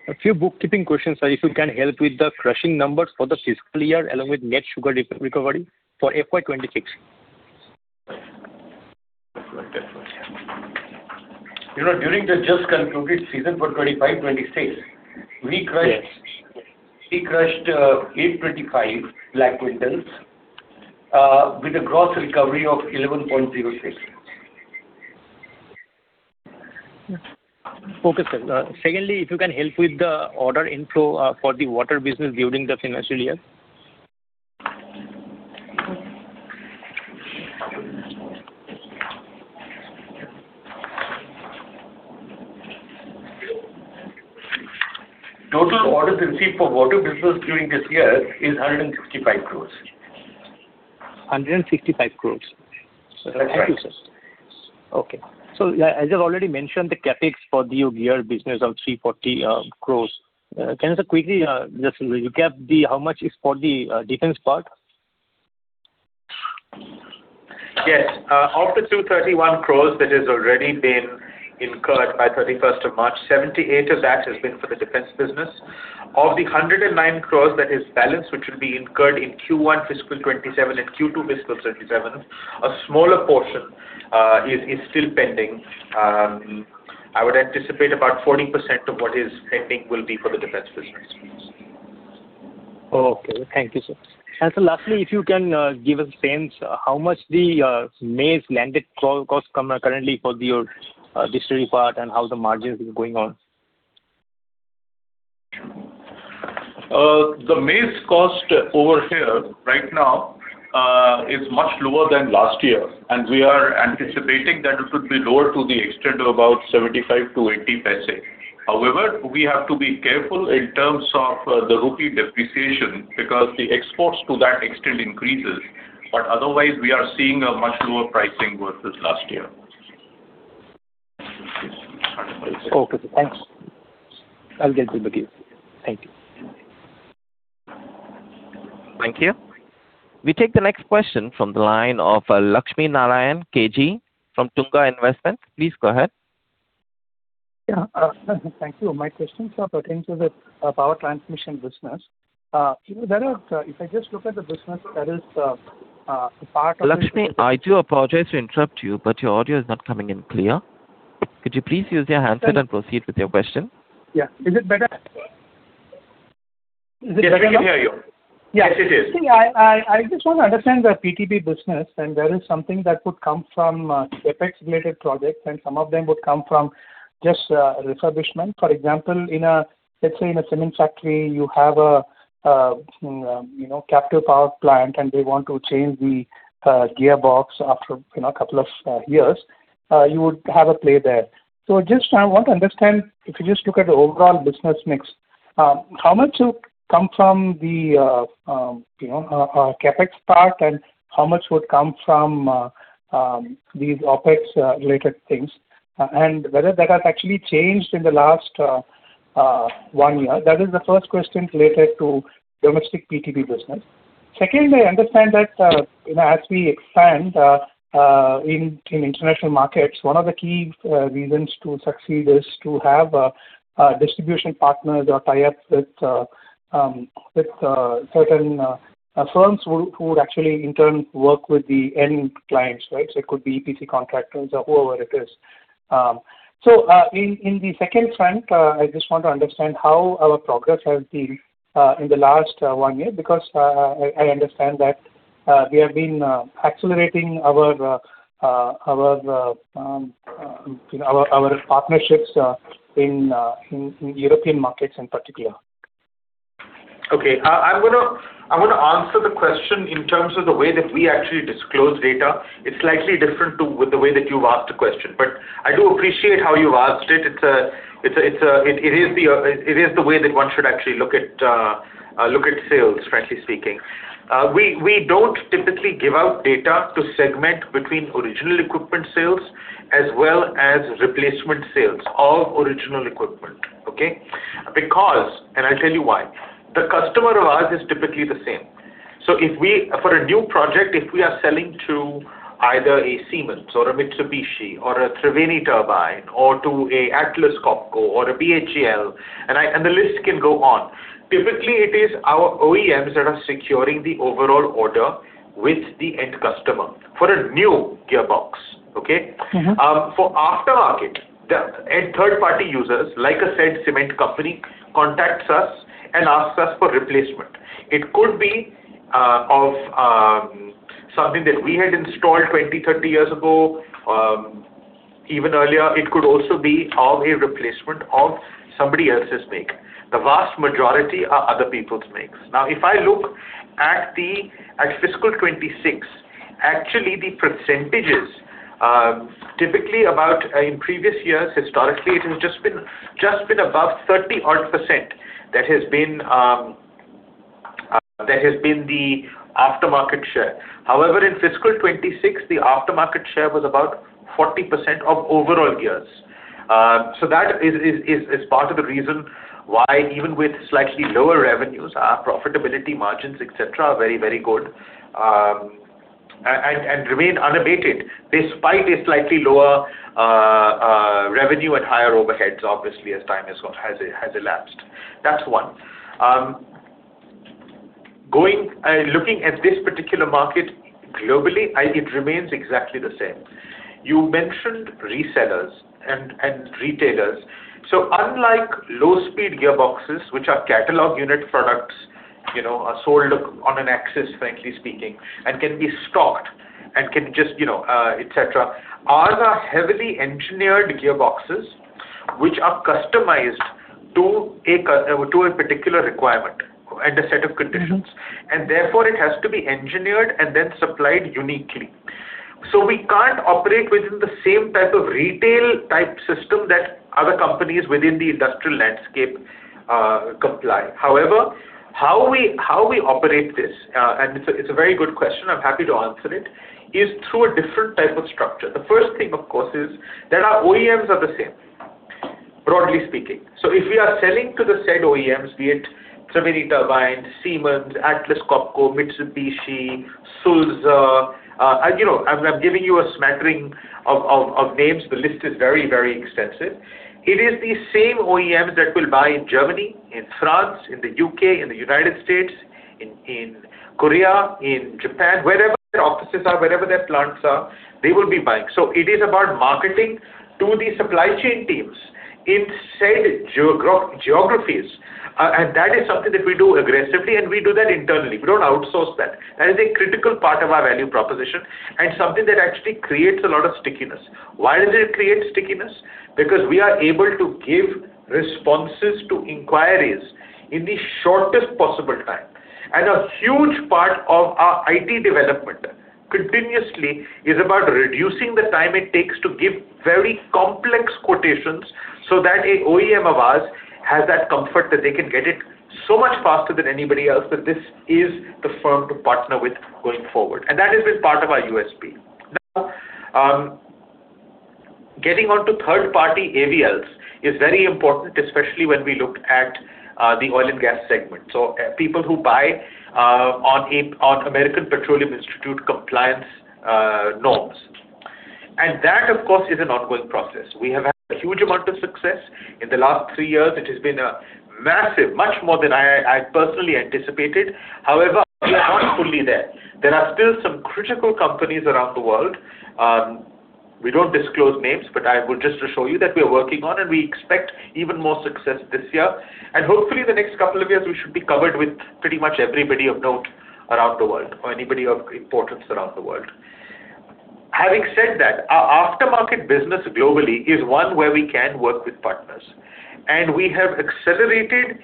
A few bookkeeping questions, sir. If you can help with the crushing numbers for the fiscal year along with net sugar recovery for FY 2026? During the just concluded season for 2025/2026, we crushed 825 lakh quintals with a gross recovery of 11.06%. Okay, sir. Secondly, if you can help with the order inflow for the water business during the financial year? Total orders received for water business during this year is 165 crores. 165 crore. That's right. Thank you, sir. Okay. As you've already mentioned, the CapEx for the gear business of 340 crores. Can you quickly just recap how much is for the defense part? Yes. Of the 231 crores that has already been incurred by 31st of March, 78 crore of that has been for the defense business. Of the 109 crores that is balanced, which will be incurred in Q1 FY 2027 and Q2 FY 2027, a smaller portion is still pending. I would anticipate about 40% of what is pending will be for the defense business. Okay. Thank you, sir. Sir, lastly, if you can give us a sense how much the maize landed cost come currently for your distillery part and how the margins are going on? The maize cost over here right now is much lower than last year, and we are anticipating that it would be lower to the extent of about 0.75-0.80. However, we have to be careful in terms of the rupee depreciation because the exports to that extent increases. Otherwise, we are seeing a much lower pricing versus last year. Okay, sir. Thanks. I'll get to the queue. Thank you. Thank you. We take the next question from the line of Lakshminarayan K G Please go ahead. Thank you. My questions are pertaining to the Power Transmission Business. If I just look at the business that is a part of. Lakshmi, I do apologize to interrupt you. Your audio is not coming in clear. Could you please use your handset and proceed with your question? Yeah. Is it better? Is it better now? Yes, we can hear you. Yes, it is. I just want to understand the PTB business, and there is something that would come from CapEx related projects, and some of them would come from just refurbishment. For example, let's say in a cement factory, you have a captive power plant, and they want to change the gearbox after a couple of years, you would have a play there. I want to understand, if you just look at the overall business mix, how much would come from the CapEx part and how much would come from these OpEx related things, and whether that has actually changed in the last one year? That is the first question related to domestic PTB business. Secondly, I understand that as we expand in international markets, one of the key reasons to succeed is to have distribution partners or tie-ups with certain firms who would actually in turn work with the end clients, right? It could be EPC contractors or whoever it is. In the second front, I just want to understand how our progress has been in the last one year, because I understand that we have been accelerating our partnerships in European markets in particular. Okay. I'm going to answer the question in terms of the way that we actually disclose data. It is slightly different with the way that you've asked the question. I do appreciate how you've asked it. It is the way that one should actually look at sales, frankly speaking. We don't typically give out data to segment between original equipment sales as well as replacement sales of original equipment. Okay? Because, I'll tell you why. The customer of ours is typically the same. For a new project, if we are selling to either a Siemens or a Mitsubishi or a Triveni Turbine, or to a Atlas Copco or a BHEL, and the list can go on. Typically, it is our OEMs that are securing the overall order with the end customer for a new gearbox. Okay? For aftermarket, the end third-party users, like a said cement company, contacts us and asks us for replacement. It could be of something that we had installed 20, 30 years ago, even earlier. It could also be of a replacement of somebody else's make. The vast majority are other people's makes. If I look at fiscal 2026, actually the percentages, typically about in previous years, historically, it has just been above 30% that has been the aftermarket share. In fiscal 2026, the aftermarket share was about 40% of overall gears. That is part of the reason why even with slightly lower revenues, our profitability margins, et cetera, are very good, and remain unabated despite a slightly lower revenue and higher overheads, obviously, as time has elapsed. That's one. Looking at this particular market globally, it remains exactly the same. You mentioned resellers and retailers. Unlike low-speed gearboxes, which are catalog unit products, are sold on an axis, frankly speaking, and can be stocked, ours are heavily engineered gearboxes, which are customized to a particular requirement and a set of conditions, and therefore it has to be engineered and then supplied uniquely. We can't operate within the same type of retail type system that other companies within the industrial landscape comply. However, how we operate this? And it's a very good question, I'm happy to answer. It, is through a different type of structure. The first thing, of course, is that our OEMs are the same, broadly speaking. If we are selling to the said OEMs, be it Triveni Turbine, Siemens, Atlas Copco, Mitsubishi, Sulzer, I'm giving you a smattering of names. The list is very extensive. It is the same OEMs that will buy in Germany, in France, in the U.K., in the U.S., in Korea, in Japan. Wherever their offices are, wherever their plants are, they will be buying. It is about marketing to the supply chain teams in said geographies. That is something that we do aggressively, and we do that internally. We don't outsource that. That is a critical part of our value proposition and something that actually creates a lot of stickiness. Why does it create stickiness? Because we are able to give responses to inquiries in the shortest possible time. A huge part of our IT development continuously is about reducing the time it takes to give very complex quotations so that an OEM of ours has that comfort that they can get it so much faster than anybody else that this is the firm to partner with going forward. That has been part of our USP. Getting on to third-party AVLs is very important, especially when we look at the oil and gas segment. People who buy on American Petroleum Institute compliance norms. That, of course, is an ongoing process. We have had a huge amount of success. In the last three years, it has been massive, much more than I personally anticipated. We are not fully there. There are still some critical companies around the world. We don't disclose names, but I would just assure you that we are working on, and we expect even more success this year. Hopefully the next couple of years, we should be covered with pretty much everybody of note around the world or anybody of importance around the world. Having said that, our aftermarket business globally is one where we can work with partners. We have accelerated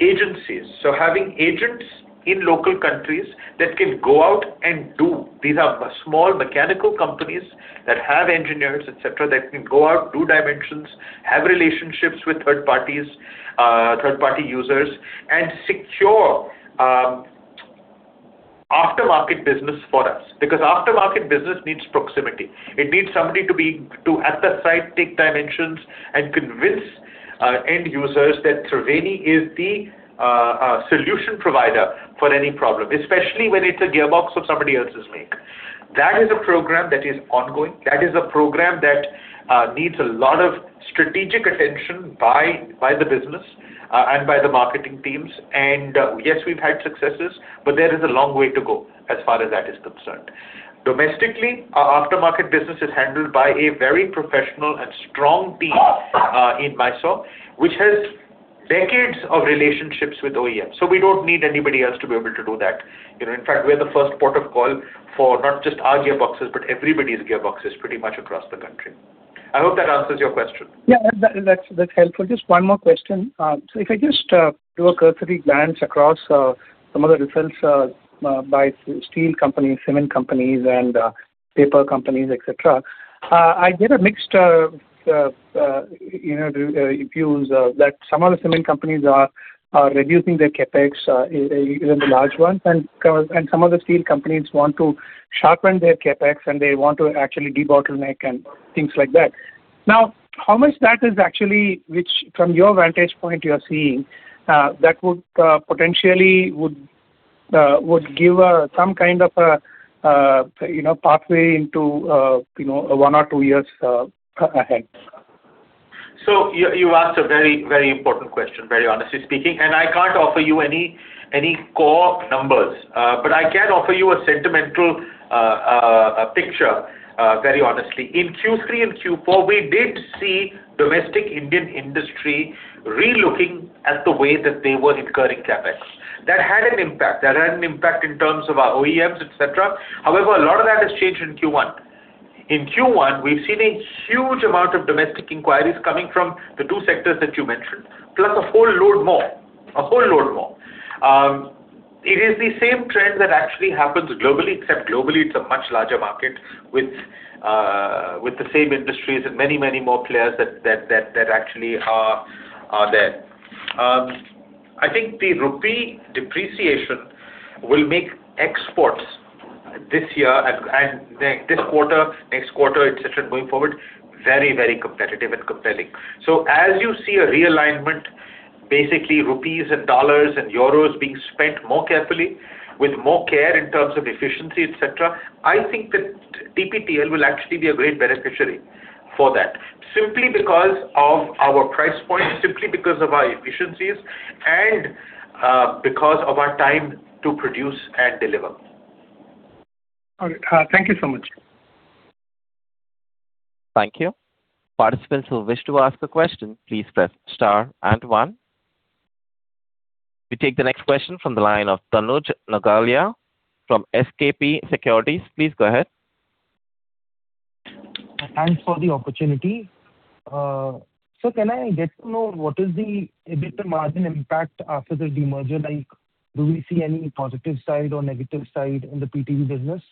agencies, so having agents in local countries that can go out and do. These are small mechanical companies that have engineers, et cetera, that can go out, do dimensions, have relationships with third-party users, and secure aftermarket business for us. Aftermarket business needs proximity. It needs somebody to be at the site, take dimensions, and convince end users that Triveni is the solution provider for any problem, especially when it's a gearbox of somebody else's make. That is a program that is ongoing. That is a program that needs a lot of strategic attention by the business and by the marketing teams. Yes, we've had successes, but there is a long way to go as far as that is concerned. Domestically, our aftermarket business is handled by a very professional and strong team in Mysore, which has decades of relationships with OEMs. We don't need anybody else to be able to do that. In fact, we're the first port of call for not just our gearboxes, but everybody's gearboxes pretty much across the country. I hope that answers your question. Yeah, that's helpful. Just one more question. If I just do a cursory glance across some of the results by steel companies, cement companies, and paper companies, et cetera, I get a mixed view that some of the cement companies are reducing their CapEx, even the large ones, and some of the steel companies want to sharpen their CapEx, and they want to actually debottleneck and things like that. How much of that is actually, which from your vantage point you are seeing, that potentially would give some kind of a pathway into one or two years ahead? You asked a very important question, very honestly speaking, and I can't offer you any core numbers. I can offer you a sentimental picture, very honestly. In Q3 and Q4, we did see domestic Indian industry relooking at the way that they were incurring CapEx. That had an impact. That had an impact in terms of our OEMs, et cetera. A lot of that has changed in Q1. In Q1, we've seen a huge amount of domestic inquiries coming from the two sectors that you mentioned, plus a whole load more. A whole load more. It is the same trend that actually happens globally, except globally, it's a much larger market with the same industries and many, many more players that actually are there. I think the rupee depreciation will make exports this year, and this quarter, next quarter, et cetera, going forward, very competitive and compelling. As you see a realignment, basically rupees and dollars and euros being spent more carefully with more care in terms of efficiency, et cetera, I think that TPTL will actually be a great beneficiary for that, simply because of our price point, simply because of our efficiencies, and because of our time to produce and deliver. All right. Thank you so much. Thank you. Participants who wish to ask a question, please press star and one. We take the next question from the line of Tanuj Nagalia from SKP Securities. Please go ahead. Thanks for the opportunity. Sir, can I get to know what is the EBITDA margin impact after the demerger? Do we see any positive side or negative side in the PTB business?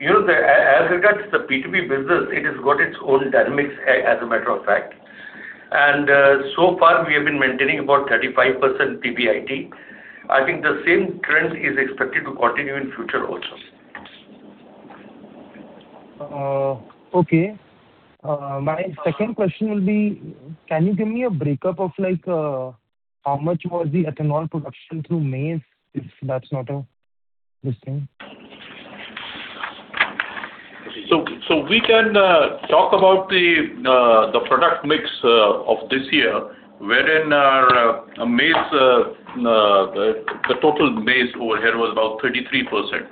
As regards the PTB business, it has got its own dynamics, as a matter of fact. So far, we have been maintaining about 35% PBIT. I think the same trend is expected to continue in future also. Okay. My second question will be, can you give me a breakup of how much was the ethanol production through maize, if that is not a mistake? We can talk about the product mix of this year, wherein the total maize over here was about 33%,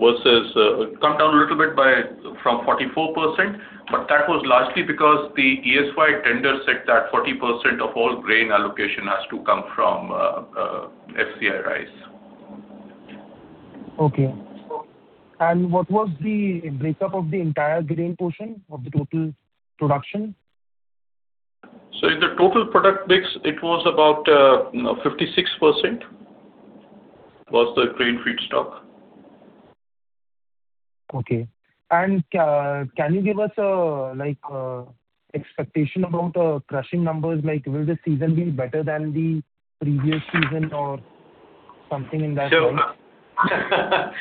versus it come down a little bit from 44%, but that was largely because the ESY tender said that 40% of all grain allocation has to come from FCI rice. Okay. What was the breakup of the entire grain portion of the total production? In the total product mix, it was about 56% was the grain feedstock. Okay. Can you give us an expectation about crushing numbers? Will this season be better than the previous season or something in that line?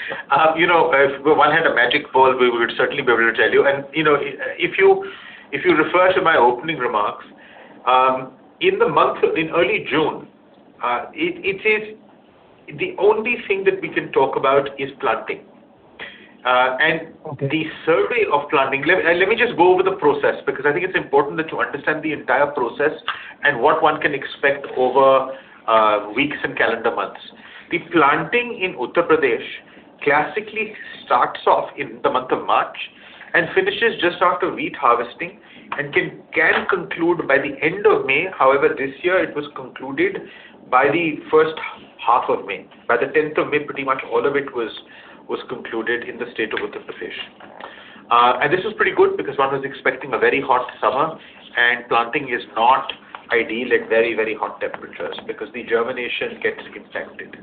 If one had a magic ball, we would certainly be able to tell you. If you refer to my opening remarks, in early June, the only thing that we can talk about is planting. Okay. Let me just go over the process, because I think it's important that you understand the entire process and what one can expect over weeks and calendar months. The planting in Uttar Pradesh classically starts off in the month of March and finishes just after wheat harvesting, and can conclude by the end of May. However, this year it was concluded by the first half of May. By the 10th of May, pretty much all of it was concluded in the state of Uttar Pradesh. This was pretty good because one was expecting a very hot summer, and planting is not ideal at very hot temperatures because the germination gets [affected].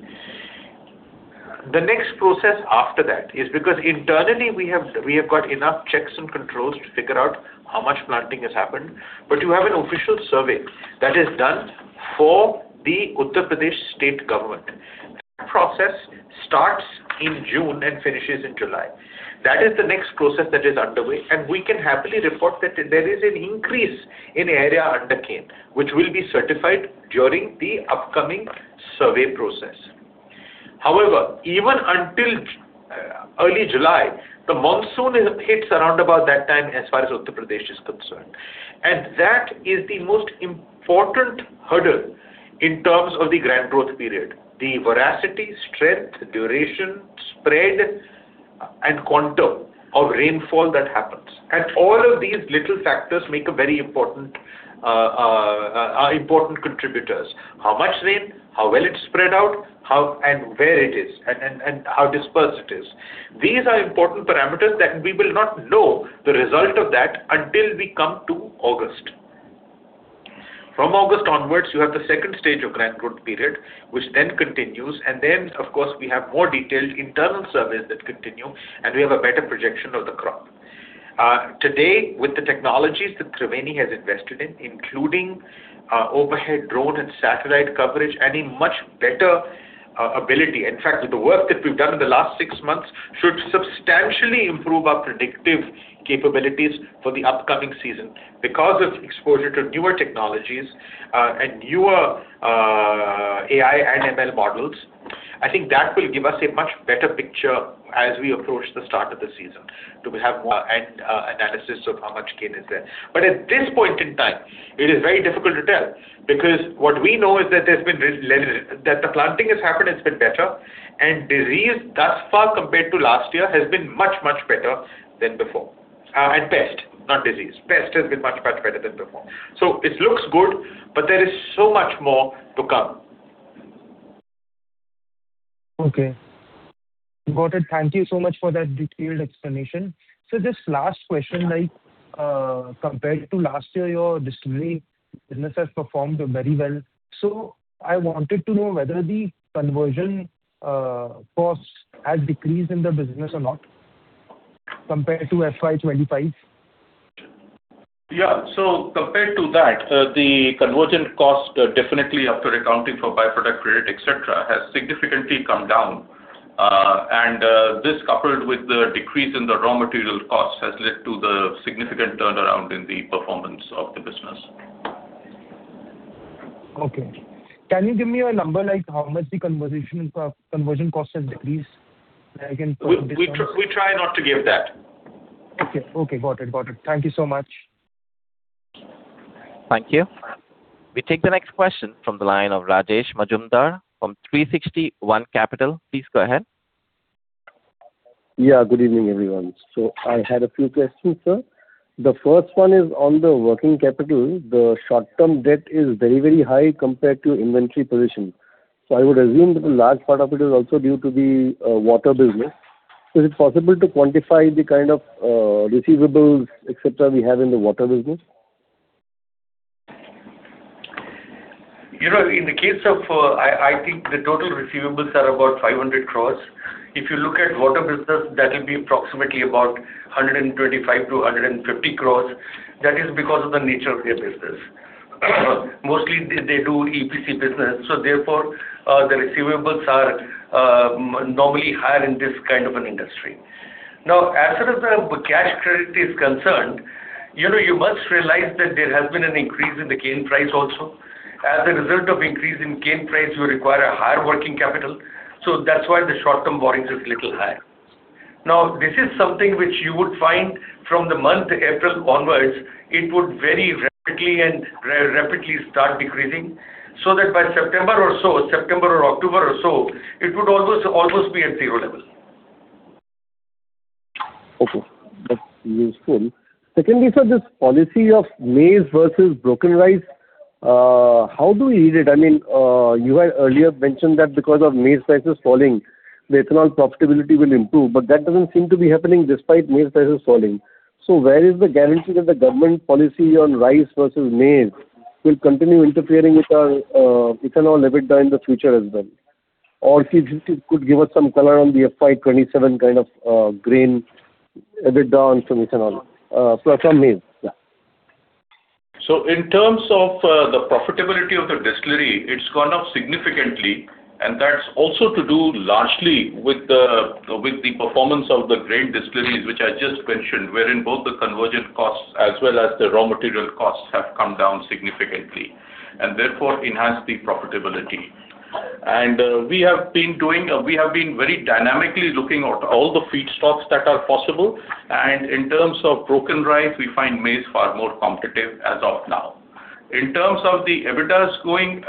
The next process after that is, because internally we have got enough checks and controls to figure out how much planting has happened. You have an official survey that is done for the Uttar Pradesh state government. That process starts in June and finishes in July. That is the next process that is underway. We can happily report that there is an increase in area under cane, which will be certified during the upcoming survey process. However, even until early July, the monsoon hits around about that time as far as Uttar Pradesh is concerned. That is the most important hurdle in terms of the grand growth period. The voracity, strength, duration, spread, and quantum of rainfall that happens. All of these little factors are important contributors. How much rain, how well it's spread out, and where it is, and how dispersed it is. These are important parameters that we will not know the result of that until we come to August. From August onwards, you have the second stage of grand growth period, which then continues. Of course, we have more detailed internal surveys that continue, and we have a better projection of the crop. Today, with the technologies that Triveni has invested in, including overhead drone and satellite coverage, and a much better ability, in fact, with the work that we've done in the last six months should substantially improve our predictive capabilities for the upcoming season. Because of exposure to newer technologies and newer AI and ML models, I think that will give us a much better picture as we approach the start of the season to have more analysis of how much cane is there. At this point in time, it is very difficult to tell, because what we know is that the planting has happened, it's been better, and disease thus far, compared to last year, has been much better than before. Pest, not disease. Pest has been much better than before. It looks good, but there is so much more to come. Okay. Got it. Thank you so much for that detailed explanation. Just last question. Compared to last year, your distillery business has performed very well. I wanted to know whether the conversion costs has decreased in the business or not compared to FY 2025? Compared to that, the conversion cost, definitely after accounting for by-product credit, et cetera, has significantly come down. This, coupled with the decrease in the raw material cost, has led to the significant turnaround in the performance of the business. Okay. Can you give me a number, like how much the conversion cost has decreased? We try not to give that. Okay. Got it. Thank you so much. Thank you. We take the next question from the line of Rajesh Majumdar from 360 ONE Capital. Please go ahead. Good evening, everyone. I had a few questions, sir. The first one is on the working capital. The short-term debt is very high compared to inventory position. I would assume that a large part of it is also due to the water business. Is it possible to quantify the kind of receivables, et cetera, we have in the water business? I think the total receivables are about 500 crores. If you look at water business, that will be approximately about 125 crores-150 crores. That is because of the nature of their business. Mostly they do EPC business, therefore, the receivables are normally higher in this kind of an industry. As far as the cash credit is concerned, you must realize that there has been an increase in the cane price also. As a result of increase in cane price, you require a higher working capital. That's why the short-term borrowings is little higher. This is something which you would find from the month April onwards, it would very rapidly start decreasing, so that by September or October or so, it would almost be at zero level. Okay. That's useful. Secondly, sir, this policy of maize versus broken rice, how do we read it? You had earlier mentioned that because of maize prices falling, the ethanol profitability will improve, but that doesn't seem to be happening despite maize prices falling. Where is the guarantee that the government policy on rice versus maize will continue interfering with our ethanol EBITDA in the future as well? If you could give us some color on the FY 2027 grain EBITDA on some ethanol, from maize. In terms of the profitability of the distillery, it's gone up significantly, and that's also to do largely with the performance of the grain distilleries, which I just mentioned, wherein both the conversion costs as well as the raw material costs have come down significantly, and therefore enhance the profitability. We have been very dynamically looking at all the feedstocks that are possible, and in terms of broken rice, we find maize far more competitive as of now. In terms of the EBITDA going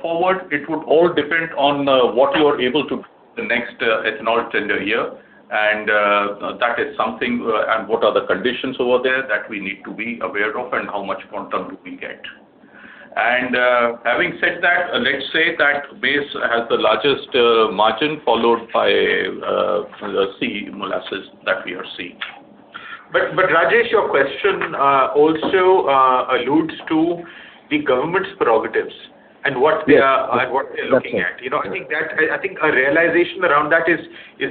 forward, it would all depend on what you are able to {audio distortion] the next ethanol tender year. That is something, and what are the conditions over there that we need to be aware of, and how much quantum do we get. Having said that, let's say that maize has the largest margin, followed by C molasses that we are seeing. Rajesh, your question also alludes to the government's prerogatives and what they are looking at. I think a realization around that is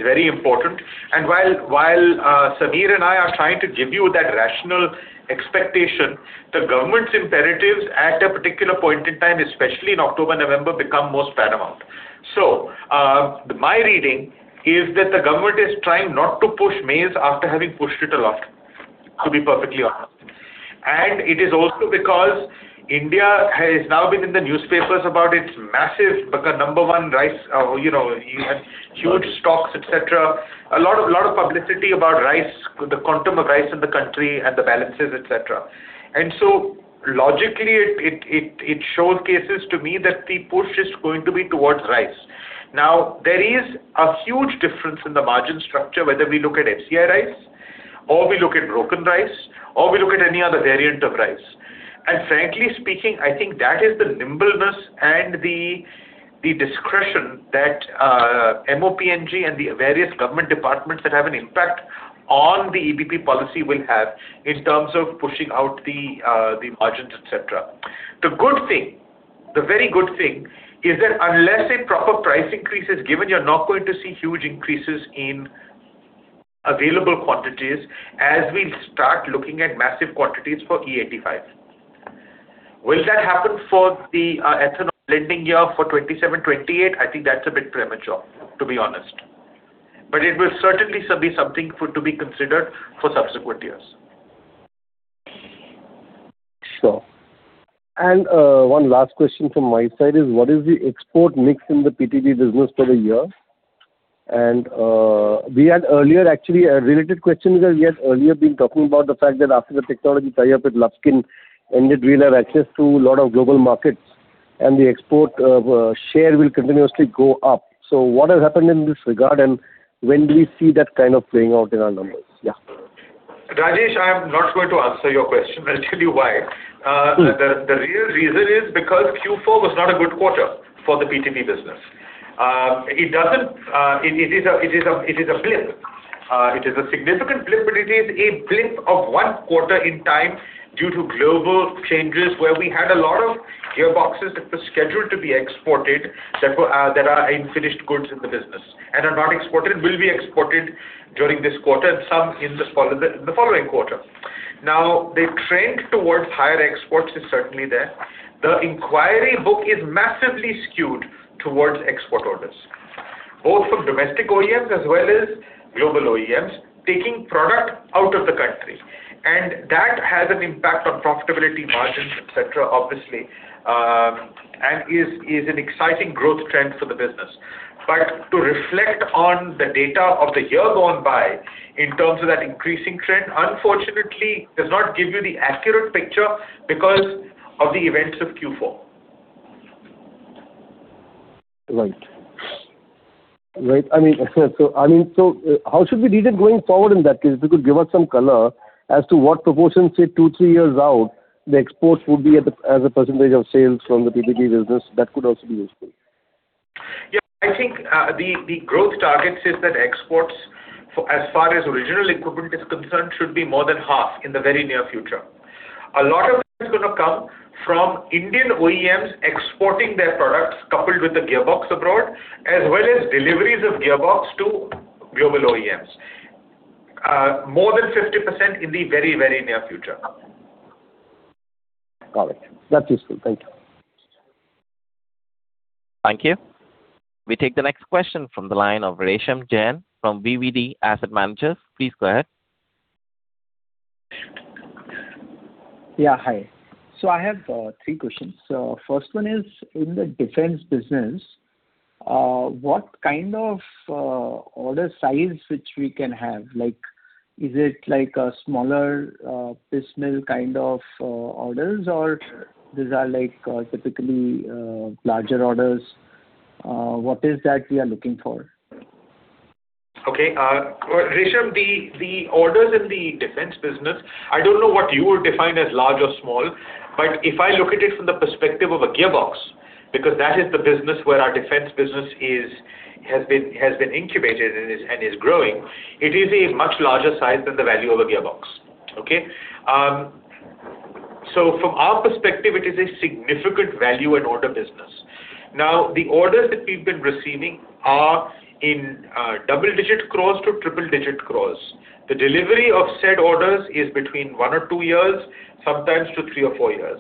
very important. While Sameer and I are trying to give you that rational expectation, the government's imperatives at a particular point in time, especially in October, November, become most paramount. My reading is that the government is trying not to push maize after having pushed it a lot, to be perfectly honest. It is also because India has now been in the newspapers about its massive number one rice, you have huge stocks, et cetera. A lot of publicity about rice, the quantum of rice in the country, and the balances, et cetera. Logically, it showcases to me that the push is going to be towards rice. There is a huge difference in the margin structure, whether we look at FCI rice, or we look at broken rice, or we look at any other variant of rice. Frankly speaking, I think that is the nimbleness and the discretion that MoPNG and the various government departments that have an impact on the EBP policy will have in terms of pushing out the margins, et cetera. The very good thing is that unless a proper price increase is given, you're not going to see huge increases in available quantities as we start looking at massive quantities for E85. Will that happen for the ethanol blending year for 2027/2028? I think that's a bit premature, to be honest. It will certainly be something to be considered for subsequent years. Sure. One last question from my side is, what is the export mix in the PTB business for the year? We had earlier, actually, a related question because we had earlier been talking about the fact that after the technology tie-up with Lufkin ended, we'll have access to a lot of global markets, and the export share will continuously go up. What has happened in this regard, and when do we see that kind of playing out in our numbers? Yeah. Rajesh, I am not going to answer your question. I'll tell you why. The real reason is because Q4 was not a good quarter for the PTB business. It is a blip. It is a significant blip, but it is a blip of one quarter in time due to global changes where we had a lot of gearboxes that were scheduled to be exported that are in finished goods in the business and are not exported, and will be exported during this quarter and some in the following quarter. The trend towards higher exports is certainly there. The inquiry book is massively skewed towards export orders, both from domestic OEMs as well as global OEMs taking product out of the country. That has an impact on profitability margins, et cetera, obviously, and is an exciting growth trend for the business. To reflect on the data of the year gone by in terms of that increasing trend, unfortunately, does not give you the accurate picture because of the events of Q4. Right. How should we read it going forward in that case? If you could give us some color as to what proportion, say two, three years out, the exports would be as a percentage of sales from the PTB business, that could also be useful. I think the growth target says that exports, as far as original equipment is concerned, should be more than half in the very near future. A lot of it is going to come from Indian OEMs exporting their products coupled with the gearbox abroad, as well as deliveries of gearbox to global OEMs. More than 50% in the very near future. Got it. That's useful. Thank you. Thank you. We take the next question from the line of Resham Jain from VVD Asset Managers. Please go ahead. Yeah, hi. I have three questions. First one is, in the defense business, what kind of order size which we can have? Is it like a smaller, piecemeal kind of orders, or these are typically larger orders? What is that we are looking for? Okay. Resham, the orders in the defense business, I don't know what you would define as large or small, but if I look at it from the perspective of a gearbox. Because that is the business where our defense business has been incubated and is growing. It is a much larger size than the value of a gearbox. Okay. From our perspective, it is a significant value and order business. The orders that we've been receiving are in double-digit crores to triple-digit crores. The delivery of said orders is between one or two years, sometimes to three or four years.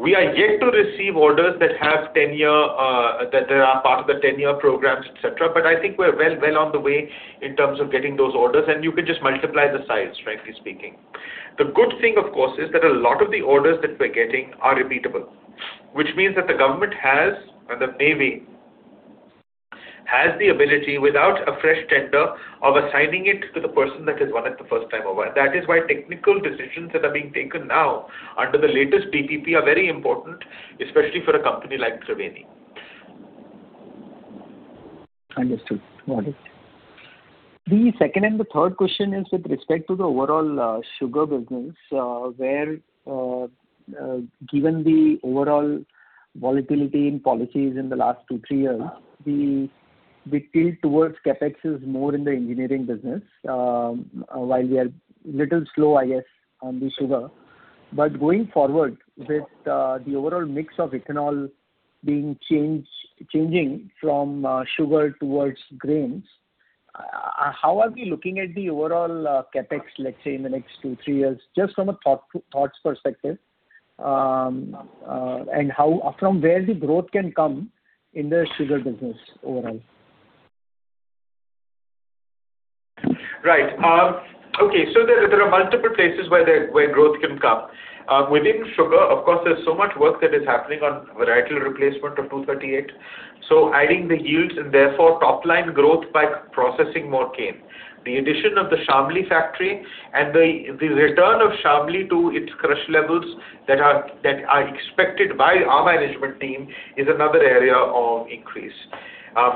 We are yet to receive orders that are part of the 10-year programs, et cetera. I think we're well on the way in terms of getting those orders. You can just multiply the size, frankly speaking. The good thing, of course, is that a lot of the orders that we're getting are repeatable, which means that the government has, or the Indian Navy has the ability, without a fresh tender, of assigning it to the person that has won it the first time over. That is why technical decisions that are being taken now under the latest DPP are very important, especially for a company like Triveni. Understood. Got it. The second and the third question is with respect to the overall sugar business, where, given the overall volatility in policies in the last two, three years, the tilt towards CapEx is more in the engineering business, while we are a little slow, I guess, on the sugar. Going forward with the overall mix of ethanol changing from sugar towards grains, how are we looking at the overall CapEx, let's say in the next two, three years, just from a thoughts perspective? From where the growth can come in the sugar business overall? Right. Okay, there are multiple places where growth can come. Within sugar, of course, there's so much work that is happening on varietal replacement of 238. Adding the yields and therefore top-line growth by processing more cane. The addition of the Shamli factory and the return of Shamli to its crush levels that are expected by our management team is another area of increase.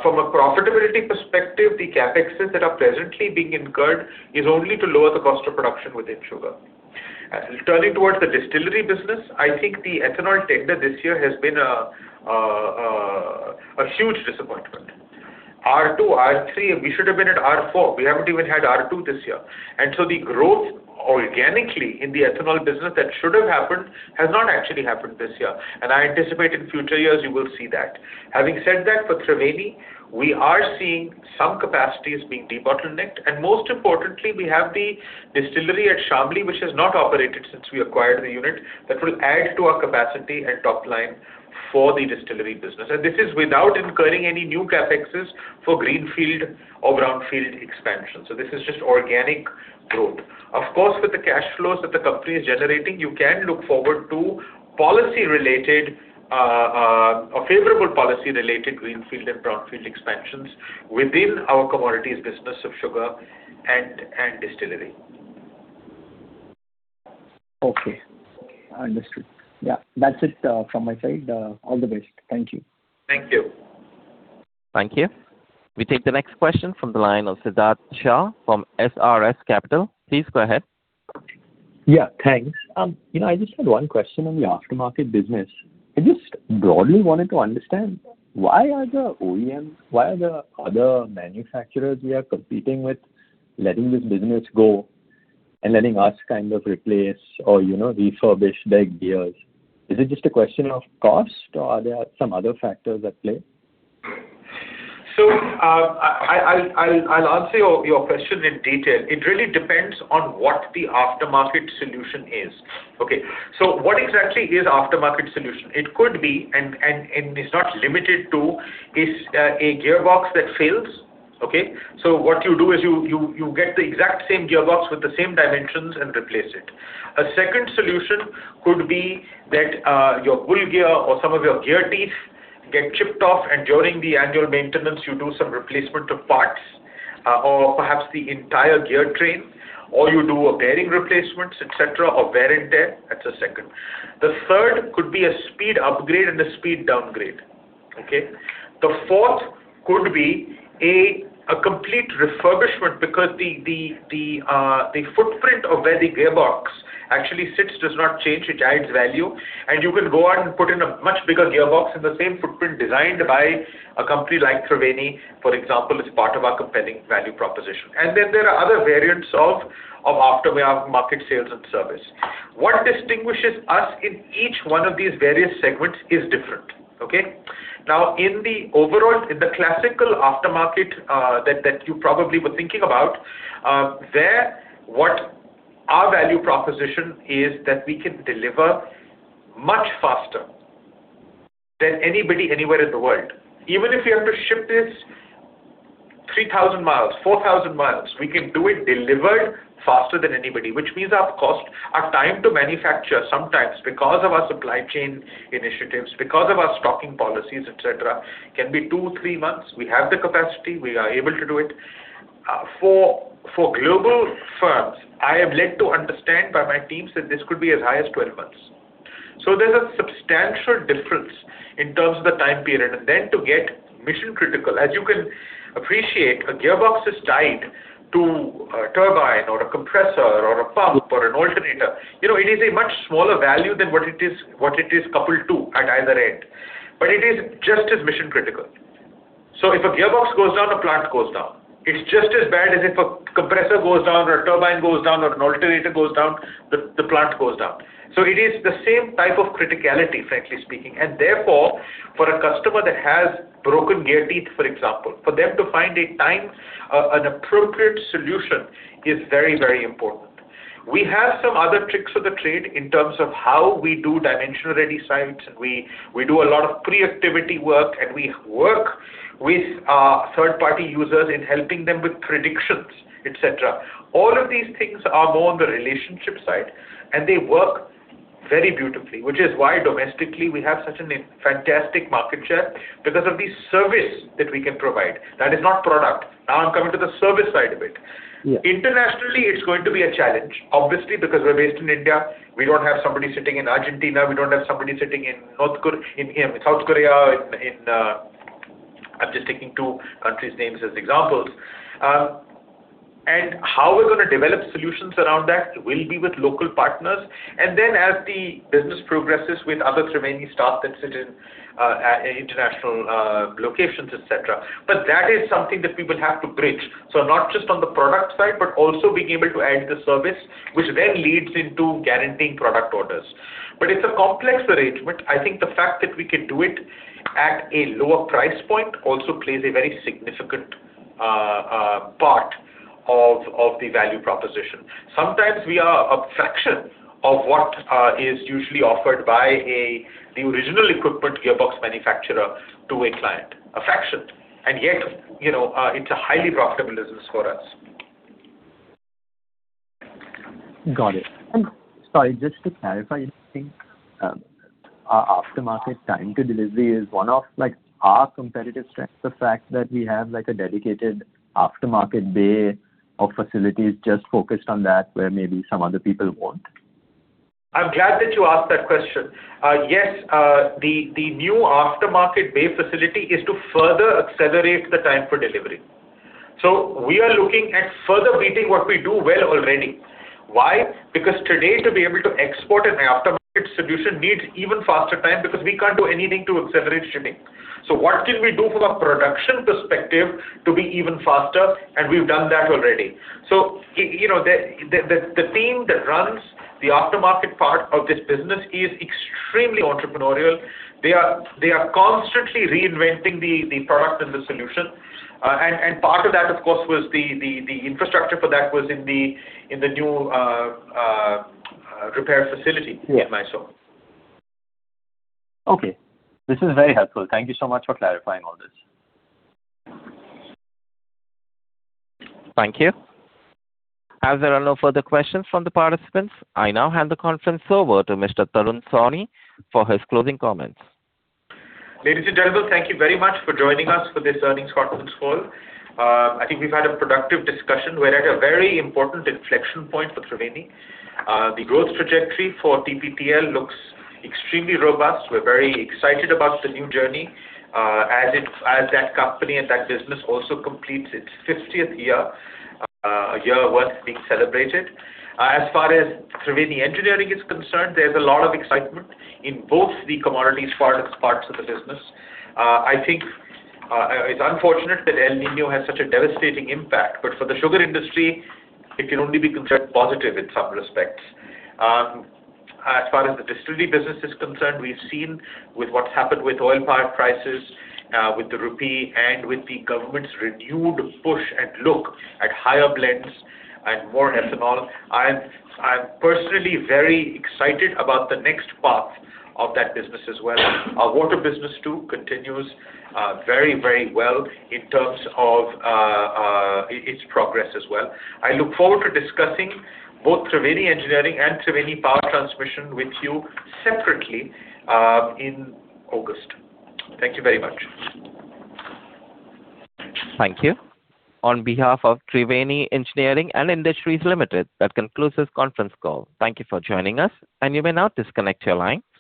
From a profitability perspective, the CapEx that are presently being incurred is only to lower the cost of production within sugar. Turning towards the distillery business, I think the ethanol tender this year has been a huge disappointment. R2, R3, we should have been at R4. We haven't even had R2 this year. The growth organically in the ethanol business that should have happened has not actually happened this year, and I anticipate in future years you will see that. Having said that, for Triveni, we are seeing some capacities being de-bottlenecked, and most importantly, we have the distillery at Shamli, which has not operated since we acquired the unit, that will add to our capacity and top line for the distillery business. This is without incurring any new CapEx for greenfield or brownfield expansion. This is just organic growth. Of course, with the cash flows that the company is generating, you can look forward to favorable policy-related greenfield and brownfield expansions within our commodities business of sugar and distillery. Okay. Understood. Yeah, that's it from my side. All the best. Thank you. Thank you. Thank you. We take the next question from the line of Siddharth Shah from SRS Capital. Please go ahead. Yeah, thanks. I just had one question on the aftermarket business. I just broadly wanted to understand why are the OEMs, why are the other manufacturers we are competing with letting this business go and letting us replace or refurbish their gears? Is it just a question of cost or are there some other factors at play? I'll answer your question in detail. It really depends on what the aftermarket solution is. What exactly is aftermarket solution? It could be, and it's not limited to, is a gearbox that fails. What you do is you get the exact same gearbox with the same dimensions and replace it. A second solution could be that your bull gear or some of your gear teeth get chipped off, and during the annual maintenance, you do some replacement of parts, or perhaps the entire gear train, or you do a bearing replacements, et cetera, or wear and tear. That's the second. The third could be a speed upgrade and a speed downgrade. The fourth could be a complete refurbishment because the footprint of where the gearbox actually sits does not change, it adds value, and you can go out and put in a much bigger gearbox in the same footprint designed by a company like Triveni, for example. It's part of our compelling value proposition. Then there are other variants of aftermarket sales and service. What distinguishes us in each one of these various segments is different. Okay? In the classical aftermarket that you probably were thinking about, there, what our value proposition is that we can deliver much faster than anybody, anywhere in the world. Even if we have to ship this 3,000 mi, 4,000 mi, we can do it delivered faster than anybody, which means our time to manufacture sometimes, because of our supply chain initiatives, because of our stocking policies, et cetera, can be two, three months. We have the capacity. We are able to do it. For global firms, I am led to understand by my teams that this could be as high as 12 months. There's a substantial difference in terms of the time period. To get mission-critical, as you can appreciate, a gearbox is tied to a turbine or a compressor or a pump or an alternator. It is a much smaller value than what it is coupled to at either end, but it is just as mission-critical. If a gearbox goes down, a plant goes down. It's just as bad as if a compressor goes down or a turbine goes down or an alternator goes down, the plant goes down. It is the same type of criticality, frankly speaking. Therefore, for a customer that has broken gear teeth, for example, for them to find a time, an appropriate solution is very important. We have some other tricks of the trade in terms of how we do dimension-ready sites, and we do a lot of pre-activity work, and we work with our third-party users in helping them with predictions, et cetera. All of these things are more on the relationship side, and they work very beautifully, which is why domestically we have such a fantastic market share because of the service that we can provide. That is not product. Now I'm coming to the service side of it. Internationally, it's going to be a challenge. Obviously, because we're based in India. We don't have somebody sitting in Argentina. We don't have somebody sitting in South Korea. I'm just taking two countries' names as examples. How we're going to develop solutions around that will be with local partners, and then as the business progresses with other Triveni staff that sit in international locations, et cetera. That is something that we will have to bridge. Not just on the product side, but also being able to add the service, which then leads into guaranteeing product orders. It's a complex arrangement. I think the fact that we can do it at a lower price point also plays a very significant part of the value proposition. Sometimes we are a fraction of what is usually offered by the original equipment gearbox manufacturer to a client. A fraction. Yet, it's a highly profitable business for us. Sorry, just to clarify, I think our aftermarket time to delivery is one of our competitive strengths, the fact that we have a dedicated aftermarket bay of facilities just focused on that, where maybe some other people won't. I'm glad that you asked that question. Yes, the new aftermarket bay facility is to further accelerate the time for delivery. We are looking at further meeting what we do well already. Why? Because today, to be able to export an aftermarket solution needs even faster time because we can't do anything to accelerate shipping. What can we do from a production perspective to be even faster? We've done that already. The team that runs the aftermarket part of this business is extremely entrepreneurial. They are constantly reinventing the product and the solution. Part of that, of course, was the infrastructure for that was in the new repair facility in Mysore. Okay. This is very helpful. Thank you so much for clarifying all this. Thank you. As there are no further questions from the participants, I now hand the conference over to Mr. Tarun Sawhney for his closing comments. Ladies and gentlemen, thank you very much for joining us for this earnings conference call. I think we've had a productive discussion. We're at a very important inflection point for Triveni. The growth trajectory for TPTL looks extremely robust. We're very excited about the new journey, as that company and that business also completes its 50th year, a year worth being celebrated. As far as Triveni Engineering is concerned, there's a lot of excitement in both the commodities parts of the business. I think it's unfortunate that El Niño has such a devastating impact, but for the sugar industry, it can only be considered positive in some respects. As far as the distillery business is concerned, we've seen with what's happened with oil prices, with the rupee, and with the government's renewed push and look at higher blends and more ethanol. I'm personally very excited about the next path of that business as well. Our water business, too, continues very well in terms of its progress as well. I look forward to discussing both Triveni Engineering and Triveni Power Transmission with you separately in August. Thank you very much. Thank you. On behalf of Triveni Engineering & Industries Limited, that concludes this conference call. Thank you for joining us, and you may now disconnect your line.